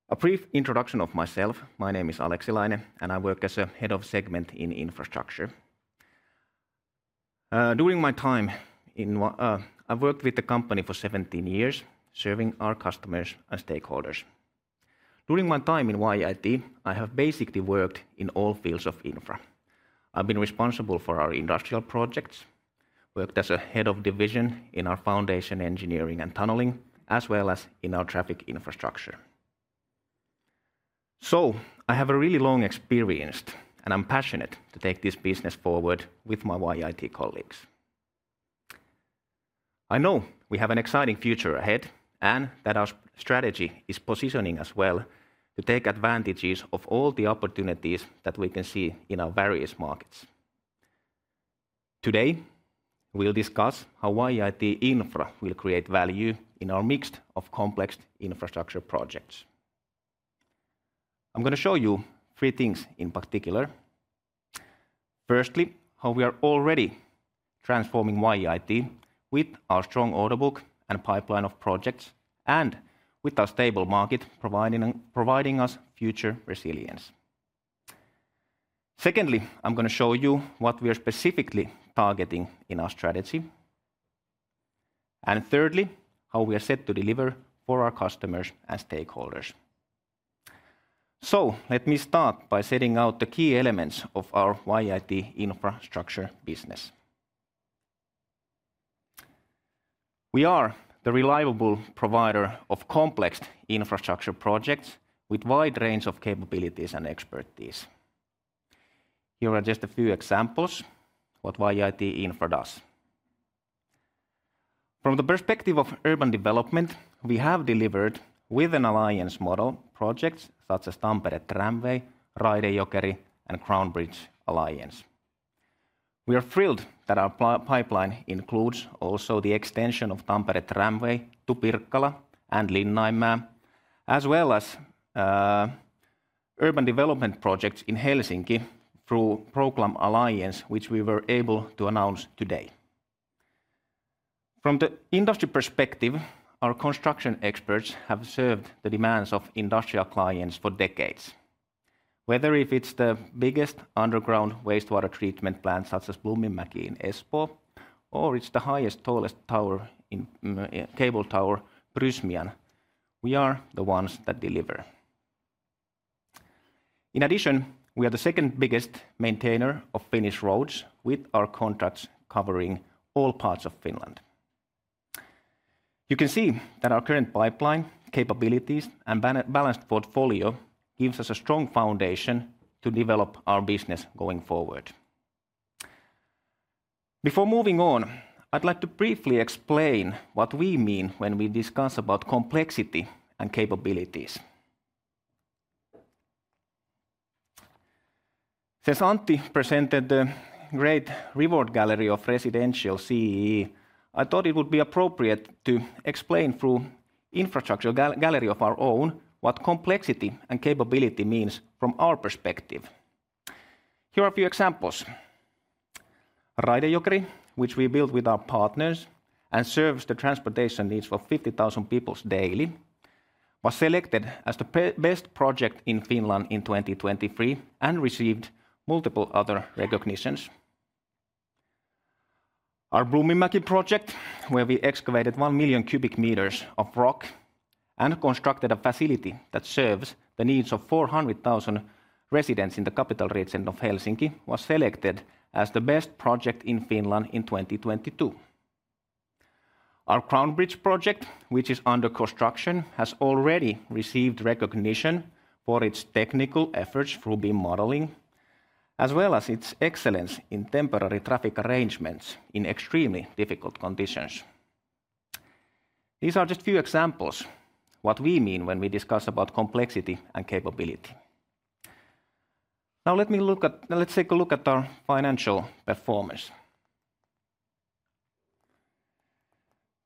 A brief introduction of myself: my name is Aleksi Laine, and I work as a head of segment in infrastructure. During my time, I worked with the company for 17 years, serving our customers and stakeholders. During my time in YIT, I have basically worked in all fields of infra. I've been responsible for our industrial projects, worked as a head of division in our foundation engineering and tunneling, as well as in our traffic infrastructure. So I have a really long experience, and I'm passionate to take this business forward with my YIT colleagues. I know we have an exciting future ahead and that our strategy is positioning us well to take advantages of all the opportunities that we can see in our various markets. Today, we'll discuss how YIT infra will create value in our mix of complex infrastructure projects. I'm going to show you three things in particular. Firstly, how we are already transforming YIT with our strong order book and pipeline of projects, and with our stable market providing us future resilience. Secondly, I'm going to show you what we are specifically targeting in our strategy. And thirdly, how we are set to deliver for our customers and stakeholders. So let me start by setting out the key elements of our YIT infrastructure business. We are the reliable provider of complex infrastructure projects with a wide range of capabilities and expertise. Here are just a few examples of what YIT infra does. From the perspective of urban development, we have delivered with an alliance model projects such as Tampere Tramway, Raide-Jokeri, and Crown Bridges. We are thrilled that our pipeline includes also the extension of Tampere Tramway to Pirkkala and Linnainmaa, as well as urban development projects in Helsinki through project alliance, which we were able to announce today. From the industry perspective, our construction experts have served the demands of industrial clients for decades. Whether it's the biggest underground wastewater treatment plant such as Blominmäki in Espoo, or it's the highest tallest cable tower, Prysmian, we are the ones that deliver. In addition, we are the second biggest maintainer of Finnish roads with our contracts covering all parts of Finland. You can see that our current pipeline capabilities and balanced portfolio give us a strong foundation to develop our business going forward. Before moving on, I'd like to briefly explain what we mean when we discuss about complexity and capabilities. Since Antti presented the great award gallery of residential CEE, I thought it would be appropriate to explain through the infrastructure gallery of our own what complexity and capability means from our perspective. Here are a few examples. Raide-Jokeri, which we built with our partners and serves the transportation needs for 50,000 people daily, was selected as the best project in Finland in 2023 and received multiple other recognitions. Our Blominmäki project, where we excavated 1 million cubic meters of rock and constructed a facility that serves the needs of 400,000 residents in the capital region of Helsinki, was selected as the best project in Finland in 2022. Our Crown Bridges project, which is under construction, has already received recognition for its technical efforts through BIM modeling, as well as its excellence in temporary traffic arrangements in extremely difficult conditions. These are just a few examples of what we mean when we discuss about complexity and capability. Now let me look at, let's take a look at our financial performance.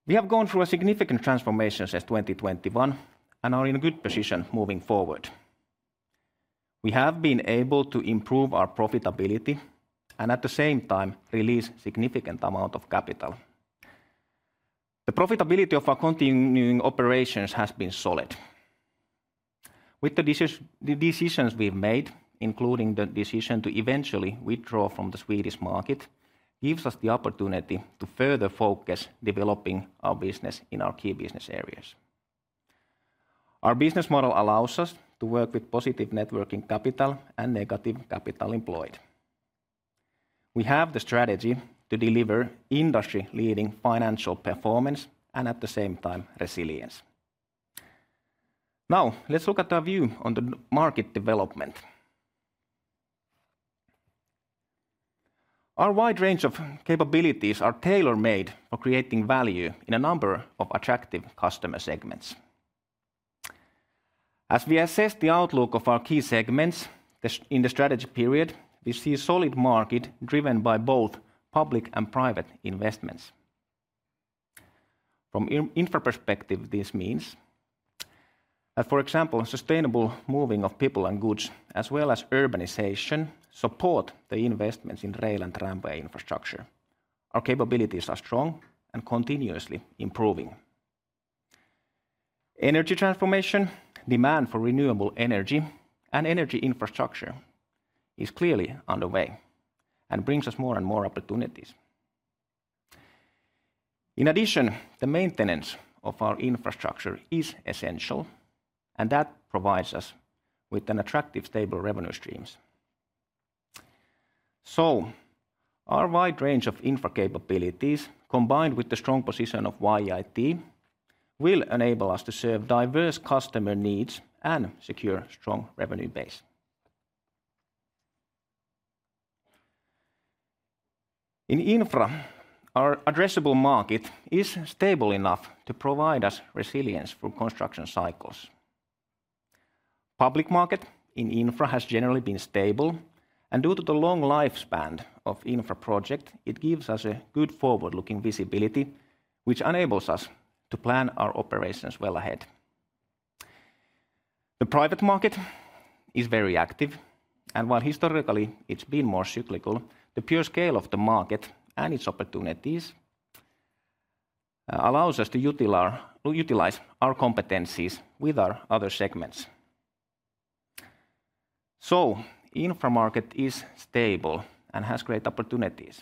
We have gone through significant transformations since 2021 and are in a good position moving forward. We have been able to improve our profitability and at the same time release a significant amount of capital. The profitability of our continuing operations has been solid. With the decisions we've made, including the decision to eventually withdraw from the Swedish market, gives us the opportunity to further focus on developing our business in our key business areas. Our business model allows us to work with positive working capital and negative capital employed. We have the strategy to deliver industry-leading financial performance and at the same time resilience. Now let's look at our view on the market development. Our wide range of capabilities is tailor-made for creating value in a number of attractive customer segments. As we assess the outlook of our key segments in the strategy period, we see a solid market driven by both public and private investments. From an infra perspective, this means that, for example, sustainable moving of people and goods, as well as urbanization, support the investments in rail and tramway infrastructure. Our capabilities are strong and continuously improving. Energy transformation, demand for renewable energy, and energy infrastructure is clearly underway and brings us more and more opportunities. In addition, the maintenance of our infrastructure is essential, and that provides us with attractive stable revenue streams. So our wide range of infra capabilities, combined with the strong position of YIT, will enable us to serve diverse customer needs and secure a strong revenue base. In infra, our addressable market is stable enough to provide us resilience through construction cycles. Public market in infra has generally been stable, and due to the long lifespan of infra projects, it gives us a good forward-looking visibility, which enables us to plan our operations well ahead. The private market is very active, and while historically it's been more cyclical, the pure scale of the market and its opportunities allow us to utilize our competencies with our other segments. So infra market is stable and has great opportunities,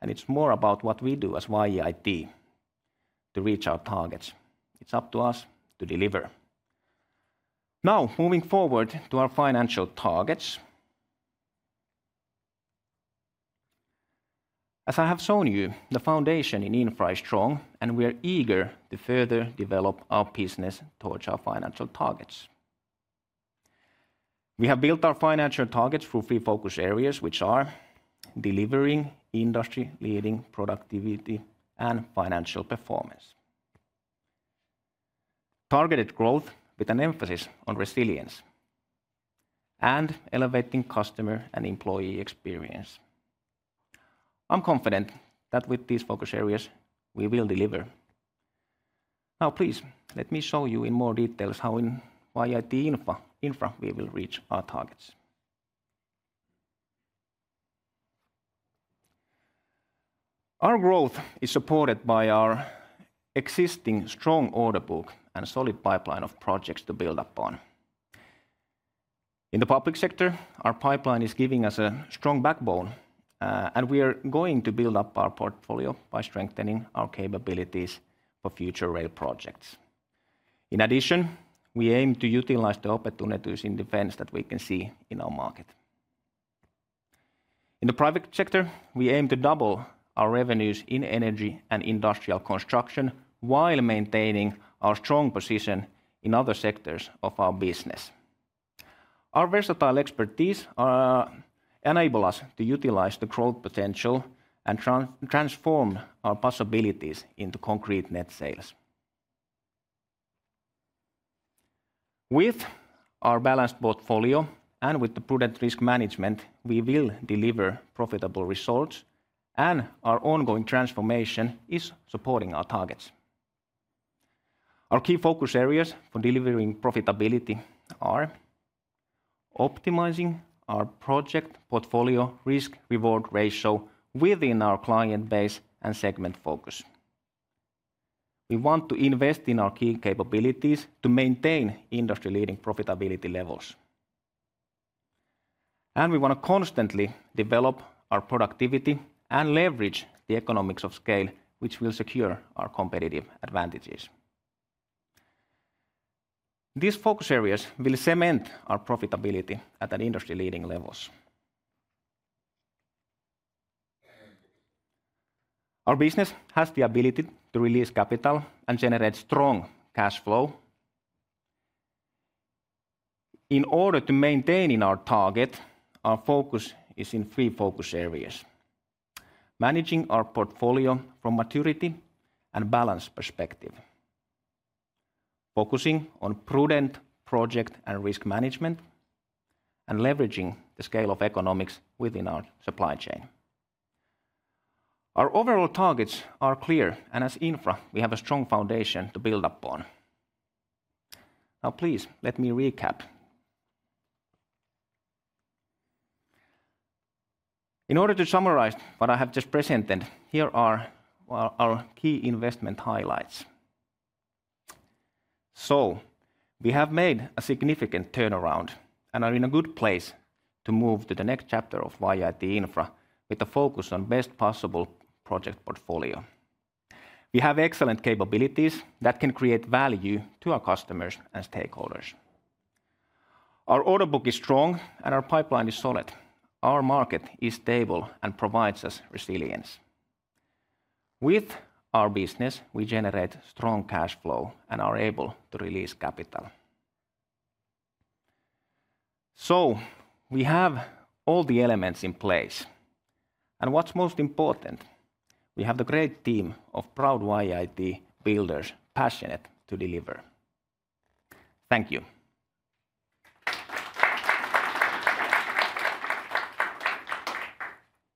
and it's more about what we do as YIT to reach our targets. It's up to us to deliver. Now moving forward to our financial targets. As I have shown you, the foundation in infra is strong, and we are eager to further develop our business towards our financial targets. We have built our financial targets through three focus areas, which are delivering, industry-leading productivity, and financial performance. Targeted growth with an emphasis on resilience and elevating customer and employee experience. I'm confident that with these focus areas, we will deliver. Now, please let me show you in more detail how in YIT infra we will reach our targets. Our growth is supported by our existing strong order book and solid pipeline of projects to build upon. In the public sector, our pipeline is giving us a strong backbone, and we are going to build up our portfolio by strengthening our capabilities for future rail projects. In addition, we aim to utilize the opportunities in defense that we can see in our market. In the private sector, we aim to double our revenues in energy and industrial construction while maintaining our strong position in other sectors of our business. Our versatile expertise enables us to utilize the growth potential and transform our possibilities into concrete net sales. With our balanced portfolio and with the prudent risk management, we will deliver profitable results, and our ongoing transformation is supporting our targets. Our key focus areas for delivering profitability are optimizing our project portfolio risk-reward ratio within our client base and segment focus. We want to invest in our key capabilities to maintain industry-leading profitability levels. And we want to constantly develop our productivity and leverage the economics of scale, which will secure our competitive advantages. These focus areas will cement our profitability at industry-leading levels. Our business has the ability to release capital and generate strong cash flow. In order to maintain our target, our focus is in three focus areas: managing our portfolio from maturity and balance perspective, focusing on prudent project and risk management, and leveraging the scale of economics within our supply chain. Our overall targets are clear, and as infra, we have a strong foundation to build upon. Now, please let me recap. In order to summarize what I have just presented, here are our key investment highlights. So we have made a significant turnaround and are in a good place to move to the next chapter of YIT infra with a focus on the best possible project portfolio. We have excellent capabilities that can create value to our customers and stakeholders. Our order book is strong, and our pipeline is solid. Our market is stable and provides us resilience. With our business, we generate strong cash flow and are able to release capital. So we have all the elements in place, and what's most important, we have the great team of proud YIT builders passionate to deliver. Thank you.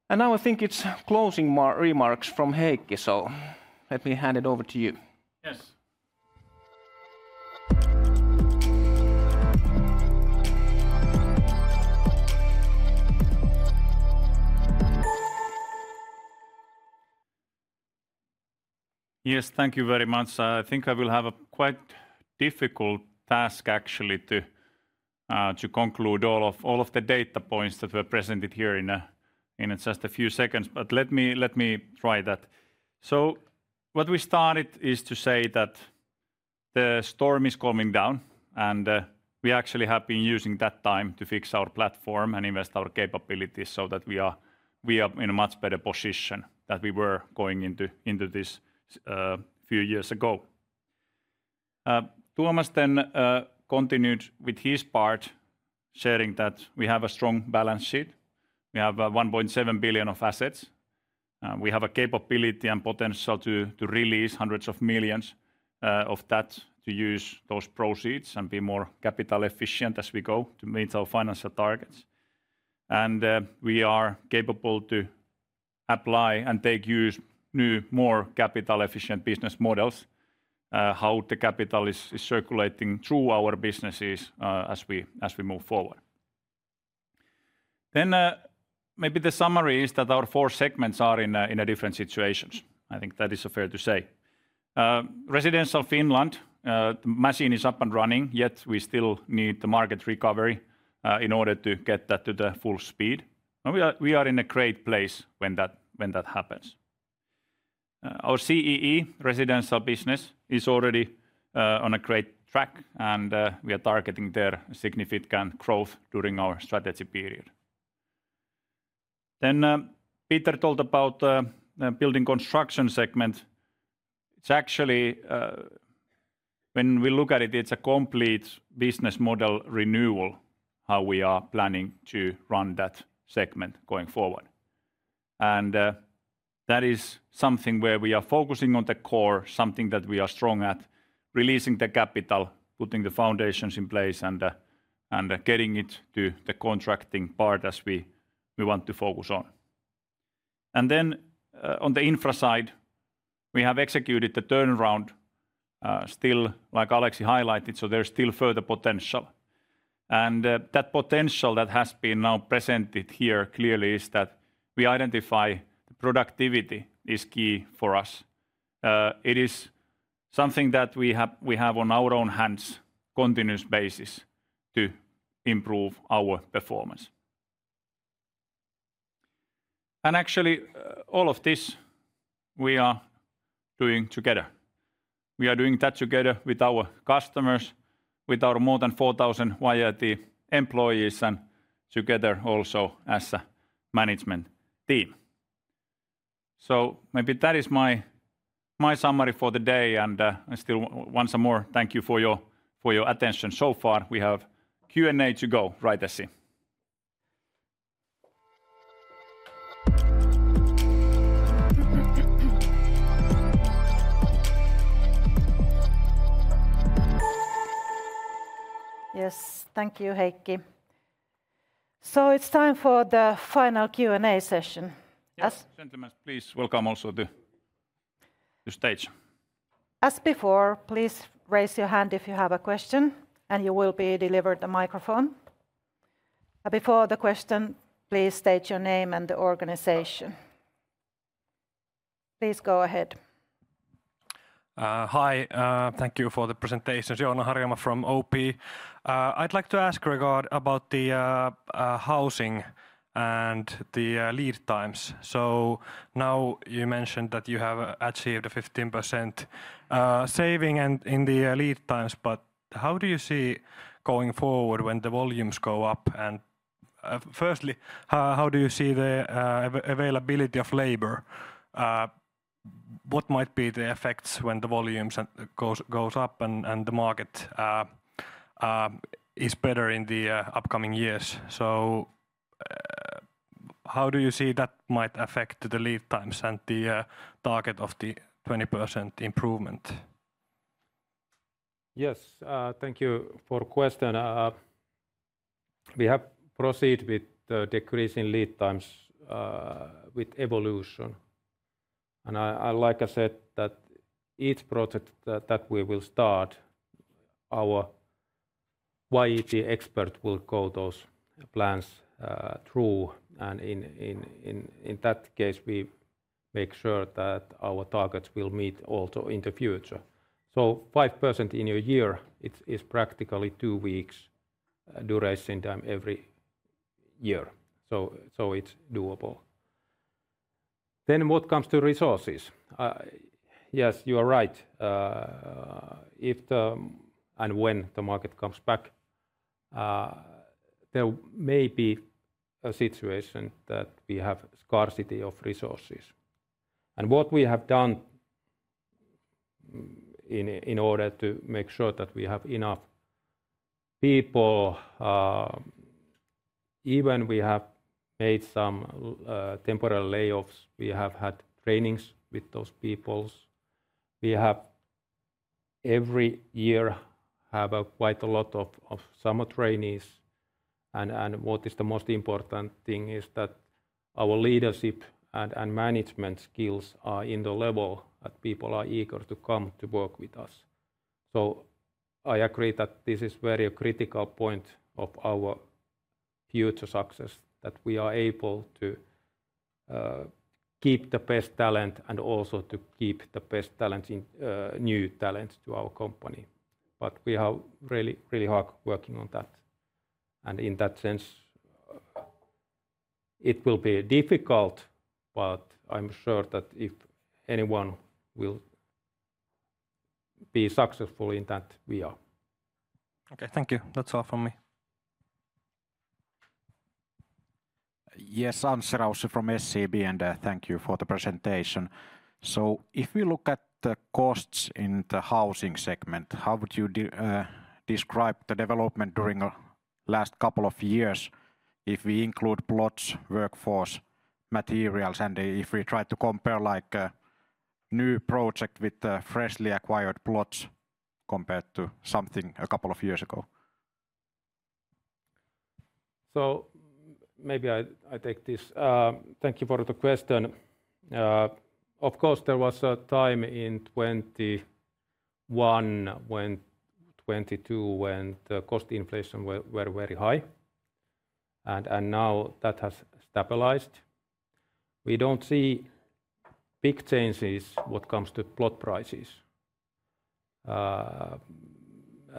And now I think it's closing remarks from Heikki, so let me hand it over to you. Yes. Yes, thank you very much. I think I will have a quite difficult task, actually, to conclude all of the data points that were presented here in just a few seconds, but let me try that. So what we started is to say that the storm is coming down, and we actually have been using that time to fix our platform and invest our capabilities so that we are in a much better position than we were going into this a few years ago. Tuomas then continued with his part, sharing that we have a strong balance sheet. We have 1.7 billion of assets. We have a capability and potential to release hundreds of millions of that to use those proceeds and be more capital efficient as we go to meet our financial targets, and we are capable to apply and take use of new, more capital efficient business models, how the capital is circulating through our businesses as we move forward, then maybe the summary is that our four segments are in different situations. I think that is fair to say. Residential Finland, the machine is up and running, yet we still need the market recovery in order to get that to the full speed. We are in a great place when that happens. Our CEE residential business is already on a great track, and we are targeting their significant growth during our strategy period. Then Peter talked about building construction segments. It's actually, when we look at it, it's a complete business model renewal, how we are planning to run that segment going forward. And that is something where we are focusing on the core, something that we are strong at, releasing the capital, putting the foundations in place, and getting it to the contracting part as we want to focus on. And then on the infra side, we have executed the turnaround still, like Aleksi highlighted, so there's still further potential. And that potential that has been now presented here clearly is that we identify the productivity is key for us. It is something that we have on our own hands on a continuous basis to improve our performance. Actually, all of this we are doing together. We are doing that together with our customers, with our more than 4,000 YIT employees, and together also as a management team. Maybe that is my summary for the day, and I still want to say thank you for your attention so far. We have Q&A to go, right, Essi? Yes, thank you, Heikki. It's time for the final Q&A session. Yes, gentlemen, please welcome also to the stage. As before, please raise your hand if you have a question, and you will be delivered a microphone. Before the question, please state your name and the organization. Please go ahead. Hi, thank you for the presentation. Joona Harkki from OP. I'd like to ask regarding the housing and the lead times. So now you mentioned that you have achieved a 15% saving in the lead times, but how do you see going forward when the volumes go up? And firstly, how do you see the availability of labor? What might be the effects when the volumes go up and the market is better in the upcoming years? So how do you see that might affect the lead times and the target of the 20% improvement? Yes, thank you for the question. We have proceeded with the decrease in lead times with evolution. And like I said, that each project that we will start, our YIT expert will go those plans through. And in that case, we make sure that our targets will meet also in the future. So 5% in a year is practically two weeks' duration time every year. So it's doable. Then what comes to resources? Yes, you are right. And when the market comes back, there may be a situation that we have scarcity of resources. And what we have done in order to make sure that we have enough people, even we have made some temporary layoffs, we have had trainings with those people. We have every year quite a lot of summer trainees. And what is the most important thing is that our leadership and management skills are in the level that people are eager to come to work with us. So I agree that this is a very critical point of our future success, that we are able to keep the best talent and also to keep the best new talent to our company. But we are really hard working on that. And in that sense, it will be difficult, but I'm sure that if anyone will be successful in that, we are. Okay, thank you. That's all from me. Yes, Anssi Raussi from SEB, and thank you for the presentation. So if we look at the costs in the housing segment, how would you describe the development during the last couple of years if we include plots, workforce, materials, and if we try to compare like a new project with freshly acquired plots compared to something a couple of years ago? So maybe I take this. Thank you for the question. Of course, there was a time in 2021, 2022, when the cost inflation was very, very high. And now that has stabilized. We don't see big changes when it comes to plot prices.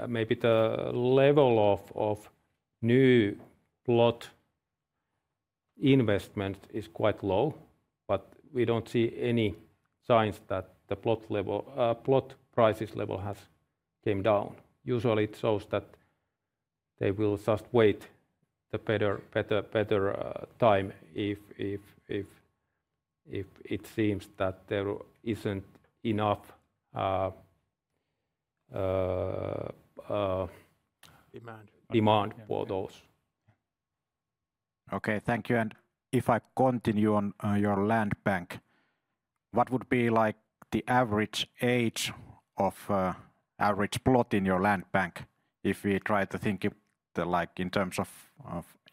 Maybe the level of new plot investment is quite low, but we don't see any signs that the plot prices level has come down. Usually, it shows that they will just wait the better time if it seems that there isn't enough demand for those. Okay, thank you. And if I continue on your land bank, what would be like the average age of average plot in your land bank if we try to think in terms of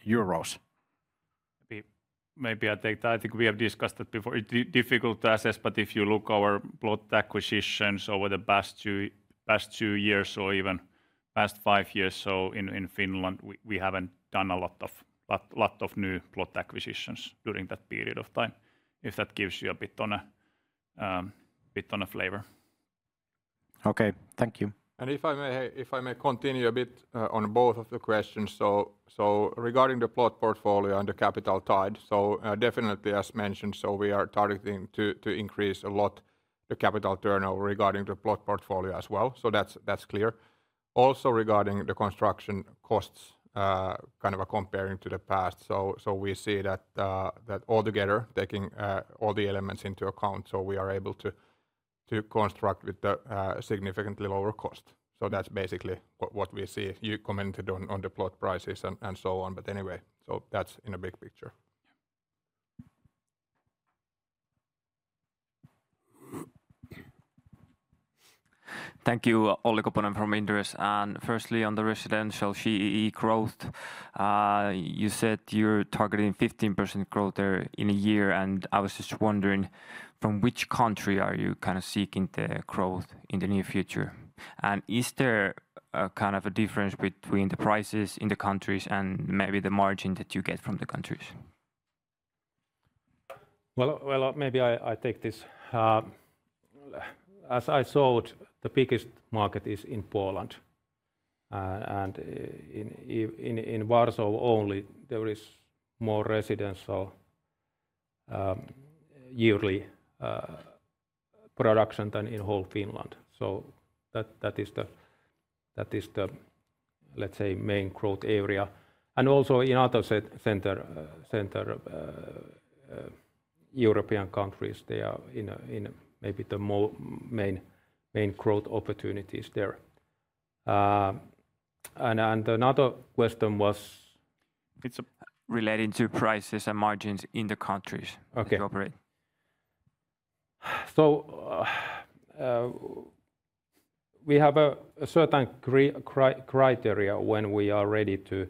euros? Maybe I take that. I think we have discussed that before. It's difficult to assess, but if you look at our plot acquisitions over the past two years or even past five years, so in Finland, we haven't done a lot of new plot acquisitions during that period of time. If that gives you a bit of a flavor. Okay, thank you. If I may continue a bit on both of the questions. Regarding the plot portfolio and the capital tied, definitely, as mentioned, we are targeting to increase a lot the capital turnover regarding the plot portfolio as well. That's clear. Also regarding the construction costs, kind of comparing to the past, we see that altogether, taking all the elements into account, we are able to construct with a significantly lower cost. That's basically what we see. You commented on the plot prices and so on, but anyway, that's in a big picture. Thank you, Olli Koponen from Inderes. Firstly, on the residential CEE growth, you said you're targeting 15% growth there in a year. I was just wondering, from which country are you kind of seeking the growth in the near future? And is there kind of a difference between the prices in the countries and maybe the margin that you get from the countries? Well, maybe I take this. As I saw, the biggest market is in Poland. And in Warsaw only, there is more residential yearly production than in all Finland. So that is the, let's say, main growth area. And also in other central European countries, they are in maybe the main growth opportunities there. And another question was. It's relating to prices and margins in the countries to operate. So we have a certain criteria when we are ready to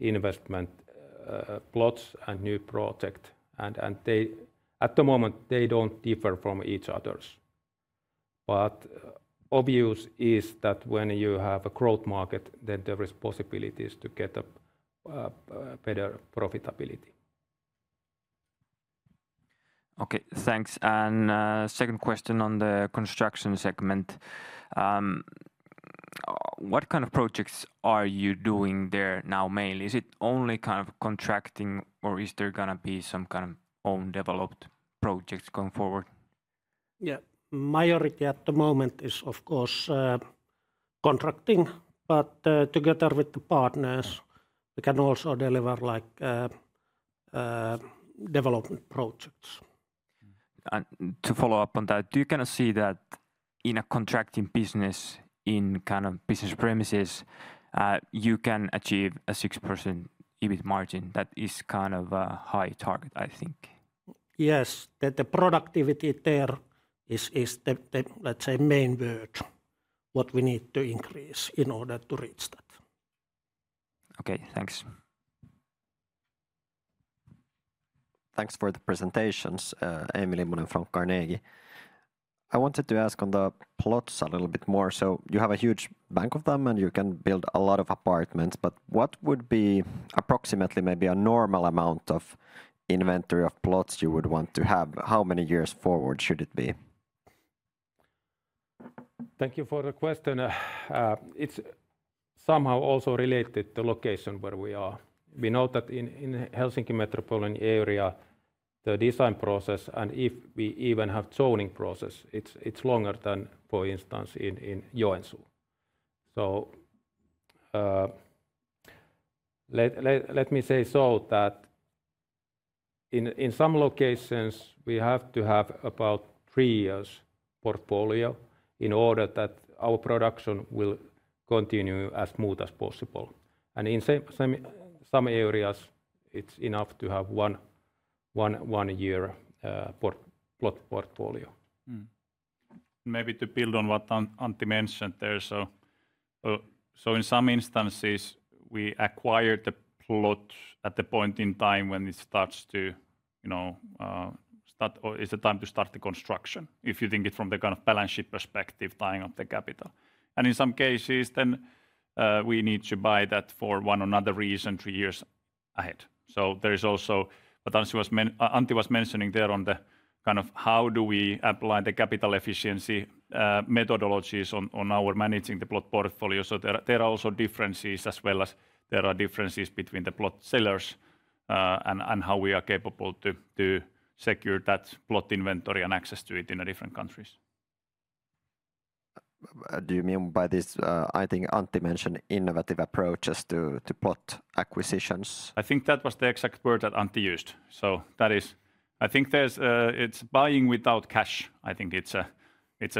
invest in plots and new projects. And at the moment, they don't differ from each other. But obvious is that when you have a growth market, then there are possibilities to get a better profitability. Okay, thanks. And second question on the construction segment. What kind of projects are you doing there now mainly? Is it only kind of contracting, or is there going to be some kind of own developed projects going forward? Yeah, majority at the moment is, of course, contracting, but together with the partners, we can also deliver development projects. To follow up on that, do you kind of see that in a contracting business, in kind of Business Premises, you can achieve a 6% EBIT margin? That is kind of a high target, I think. Yes, the productivity there is the, let's say, main word, what we need to increase in order to reach that. Okay, thanks. Thanks for the presentations, Eemeli Limon from Carnegie. I wanted to ask on the plots a little bit more. So you have a huge bank of them, and you can build a lot of apartments. But what would be approximately maybe a normal amount of inventory of plots you would want to have? How many years forward should it be? Thank you for the question. It's somehow also related to the location where we are. We know that in the Helsinki metropolitan area, the design process, and if we even have zoning process, it's longer than, for instance, in Joensuu. So let me say so that in some locations, we have to have about three years' portfolio in order that our production will continue as smooth as possible. And in some areas, it's enough to have one-year plot portfolio. Maybe to build on what Antti mentioned there. In some instances, we acquire the plot at the point in time when it starts to, you know, is the time to start the construction, if you think it's from the kind of balance sheet perspective, tying up the capital. In some cases, then we need to buy that for one or another reason three years ahead. There is also, what Antti was mentioning there on the kind of how do we apply the capital efficiency methodologies on our managing the plot portfolio. There are also differences as well as there are differences between the plot sellers and how we are capable to secure that plot inventory and access to it in different countries. Do you mean by this? I think Antti mentioned innovative approaches to plot acquisitions. I think that was the exact word that Antti used. So that is, I think it's buying without cash. I think it's a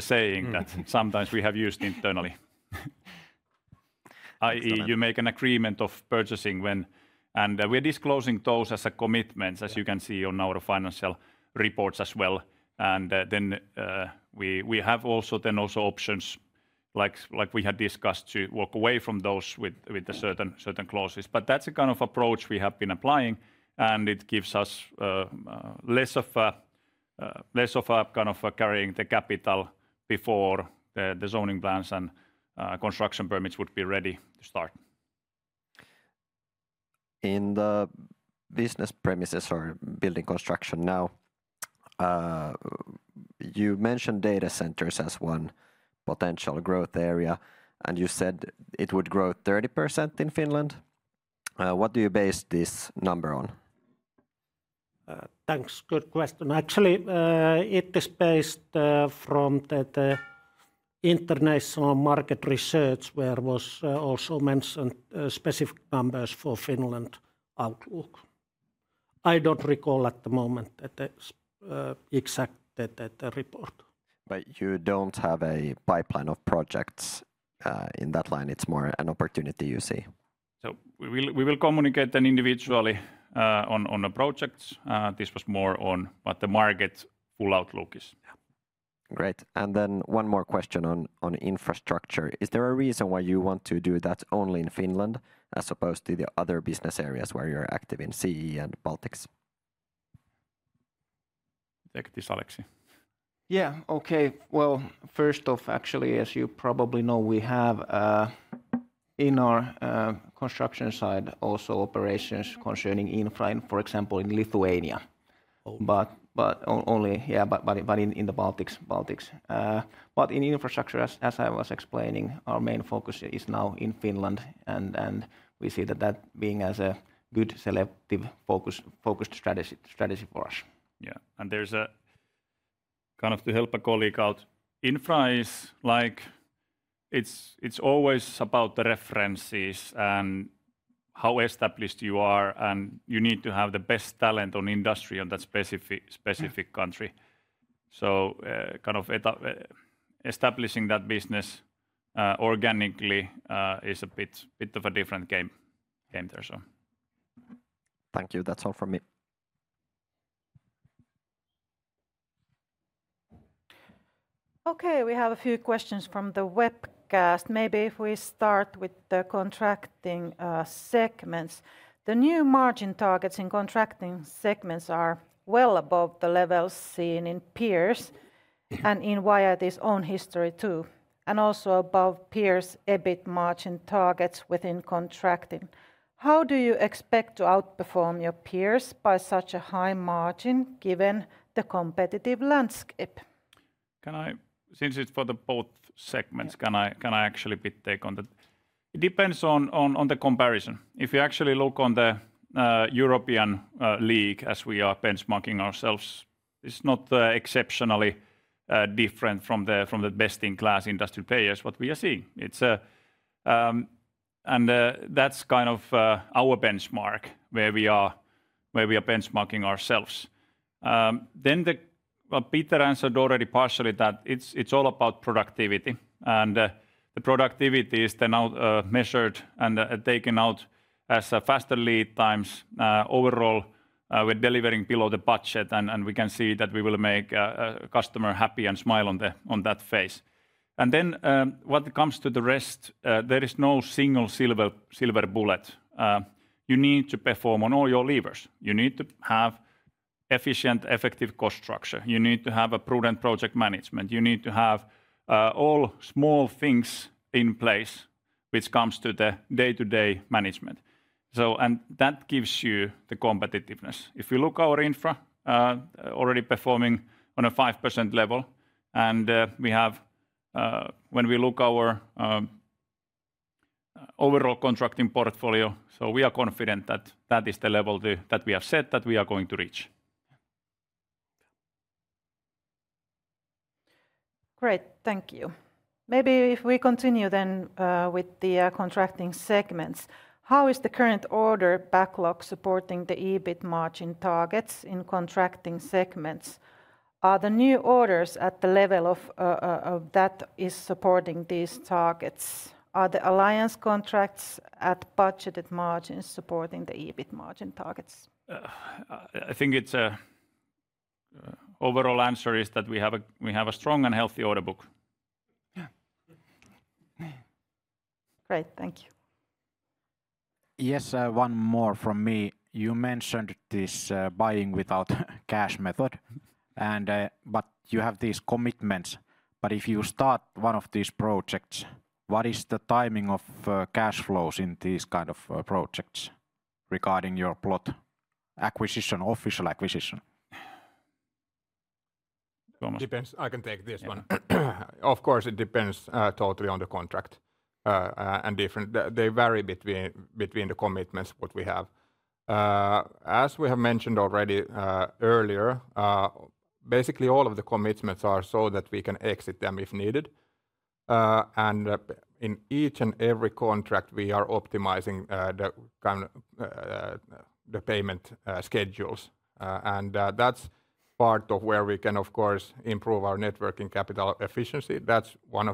saying that sometimes we have used internally. i.e., you make an agreement of purchasing when, and we're disclosing those as a commitment, as you can see on our financial reports as well. And then we have also options, like we had discussed, to walk away from those with certain clauses. But that's the kind of approach we have been applying, and it gives us less of a kind of carrying the capital before the zoning plans and construction permits would be ready to start. In the business premises or building construction now, you mentioned data centers as one potential growth area, and you said it would grow 30% in Finland. What do you base this number on? Thanks. Good question. Actually, it is based from the international market research where it was also mentioned specific numbers for Finland outlook. I don't recall at the moment the exact report. But you don't have a pipeline of projects in that line. It's more an opportunity you see. So we will communicate individually on the projects. This was more on what the market full outlook is. Great, and then one more question on infrastructure. Is there a reason why you want to do that only in Finland as opposed to the other business areas where you're active in CE and Baltics? Take this, Aleksi. Yeah, okay. Well, first off, actually, as you probably know, we have in our construction side also operations concerning infra, for example, in Lithuania. But only, yeah, but in the Baltics. But in infrastructure, as I was explaining, our main focus is now in Finland, and we see that being as a good selective focused strategy for us. Yeah, and there's a kind of to help a colleague out. Infra is like it's always about the references and how established you are, and you need to have the best talent on industry on that specific country. So kind of establishing that business organically is a bit of a different game there, so. Thank you. That's all from me. Okay, we have a few questions from the webcast. Maybe if we start with the contracting segments, the new margin targets in contracting segments are well above the levels seen in peers and in YIT's own history too, and also above peers' EBIT margin targets within contracting. How do you expect to outperform your peers by such a high margin given the competitive landscape? Since it's for the both segments, can I actually take on that? It depends on the comparison. If you actually look on the European league, as we are benchmarking ourselves, it's not exceptionally different from the best-in-class industry players what we are seeing. And that's kind of our benchmark where we are benchmarking ourselves. Then Peter answered already partially that it's all about productivity. And the productivity is then measured and taken out as a faster lead times overall with delivering below the budget, and we can see that we will make a customer happy and smile on that face. And then when it comes to the rest, there is no single silver bullet. You need to perform on all your levers. You need to have efficient, effective cost structure. You need to have a prudent project management. You need to have all small things in place when it comes to the day-to-day management, and that gives you the competitiveness. If you look at our infra, already performing on a 5% level, and we have, when we look at our overall contracting portfolio, so we are confident that that is the level that we have set that we are going to reach. Great, thank you. Maybe if we continue then with the contracting segments, how is the current order backlog supporting the EBIT margin targets in contracting segments? Are the new orders at the level of that is supporting these targets? Are the alliance contracts at budgeted margins supporting the EBIT margin targets? I think the overall answer is that we have a strong and healthy order book. Great, thank you. Yes, one more from me. You mentioned this buying without cash method, but you have these commitments, but if you start one of these projects, what is the timing of cash flows in these kind of projects regarding your plot acquisition, initial acquisition? It depends. I can take this one. Of course, it depends totally on the contract and different. They vary between the commitments what we have. As we have mentioned already earlier, basically all of the commitments are so that we can exit them if needed, and in each and every contract, we are optimizing the payment schedules, and that's part of where we can, of course, improve our net working capital efficiency. That's one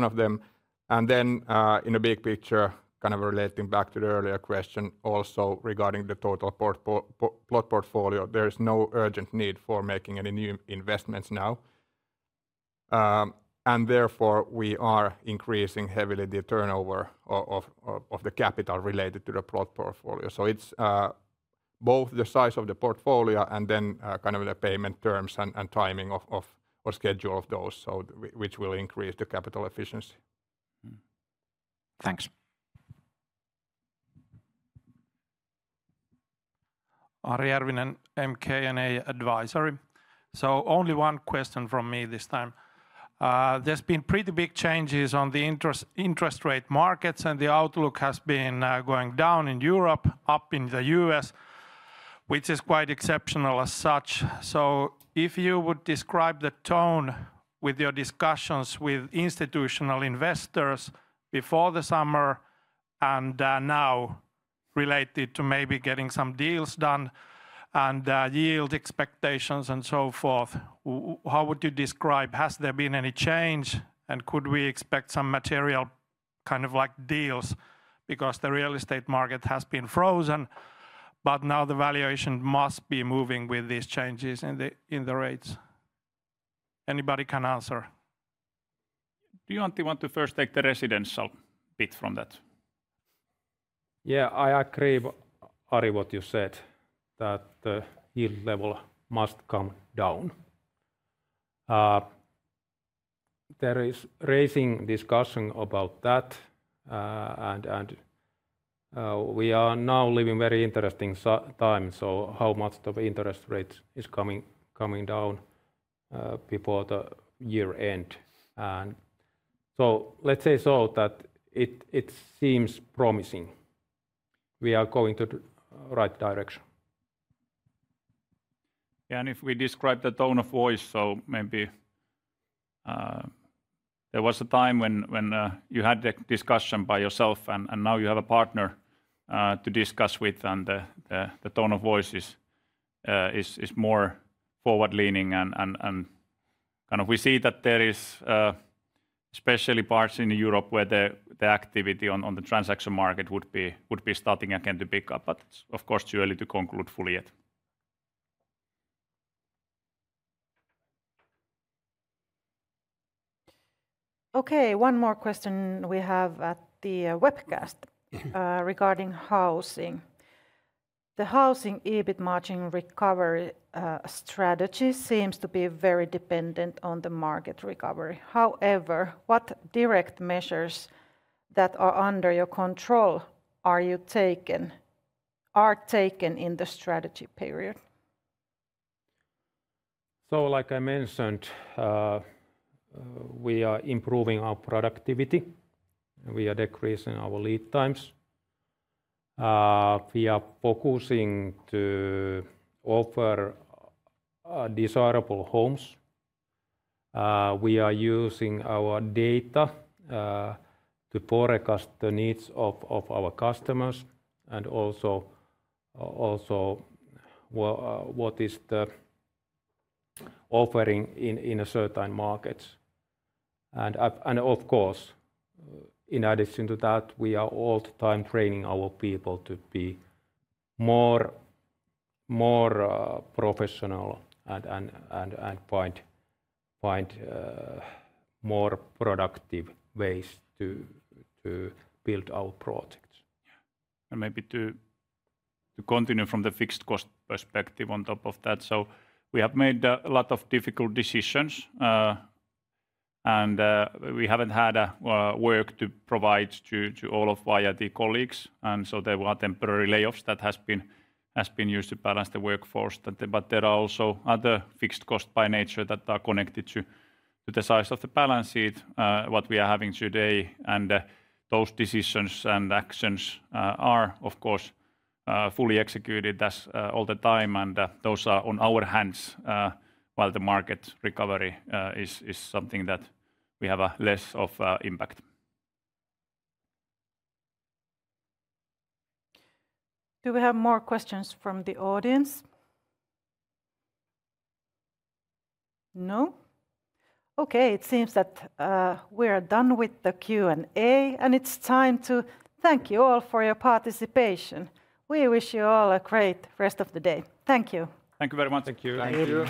of them, and then in a big picture, kind of relating back to the earlier question, also regarding the total plot portfolio, there is no urgent need for making any new investments now. Therefore, we are increasing heavily the turnover of the capital related to the plot portfolio. It's both the size of the portfolio and then kind of the payment terms and timing or schedule of those, which will increase the capital efficiency. Thanks. Ari Järvinen, M&A Advisory. Only one question from me this time. There's been pretty big changes on the interest rate markets, and the outlook has been going down in Europe, up in the U.S., which is quite exceptional as such. If you would describe the tone with your discussions with institutional investors before the summer and now related to maybe getting some deals done and yield expectations and so forth, how would you describe? Has there been any change? Could we expect some material kind of like deals? Because the real estate market has been frozen, but now the valuation must be moving with these changes in the rates. Anybody can answer. Do you, Antti, want to first take the residential bit from that? Yeah, I agree, Ari, what you said, that the yield level must come down. There is rising discussion about that, and we are now living a very interesting time. So how much of interest rates is coming down before the year end? And so let's say so that it seems promising. We are going to the right direction. Yeah, and if we describe the tone of voice, so maybe there was a time when you had the discussion by yourself, and now you have a partner to discuss with, and the tone of voice is more forward-leaning. Kind of we see that there is especially parts in Europe where the activity on the transaction market would be starting again to pick up, but of course too early to conclude fully yet. Okay, one more question we have at the webcast regarding housing. The housing EBIT margin recovery strategy seems to be very dependent on the market recovery. However, what direct measures that are under your control are you taken in the strategy period? So like I mentioned, we are improving our productivity. We are decreasing our lead times. We are focusing to offer desirable homes. We are using our data to forecast the needs of our customers and also what is the offering in certain markets. And of course, in addition to that, we are all the time training our people to be more professional and find more productive ways to build our projects. Maybe to continue from the fixed cost perspective on top of that. So we have made a lot of difficult decisions, and we haven't had work to provide to all of YIT colleagues. And so there were temporary layoffs that have been used to balance the workforce. But there are also other fixed costs by nature that are connected to the size of the balance sheet that we are having today. And those decisions and actions are, of course, fully executed all the time. And those are on our hands while the market recovery is something that we have less of an impact. Do we have more questions from the audience? No? Okay, it seems that we are done with the Q&A, and it's time to thank you all for your participation. We wish you all a great rest of the day. Thank you. Thank you very much. Thank you.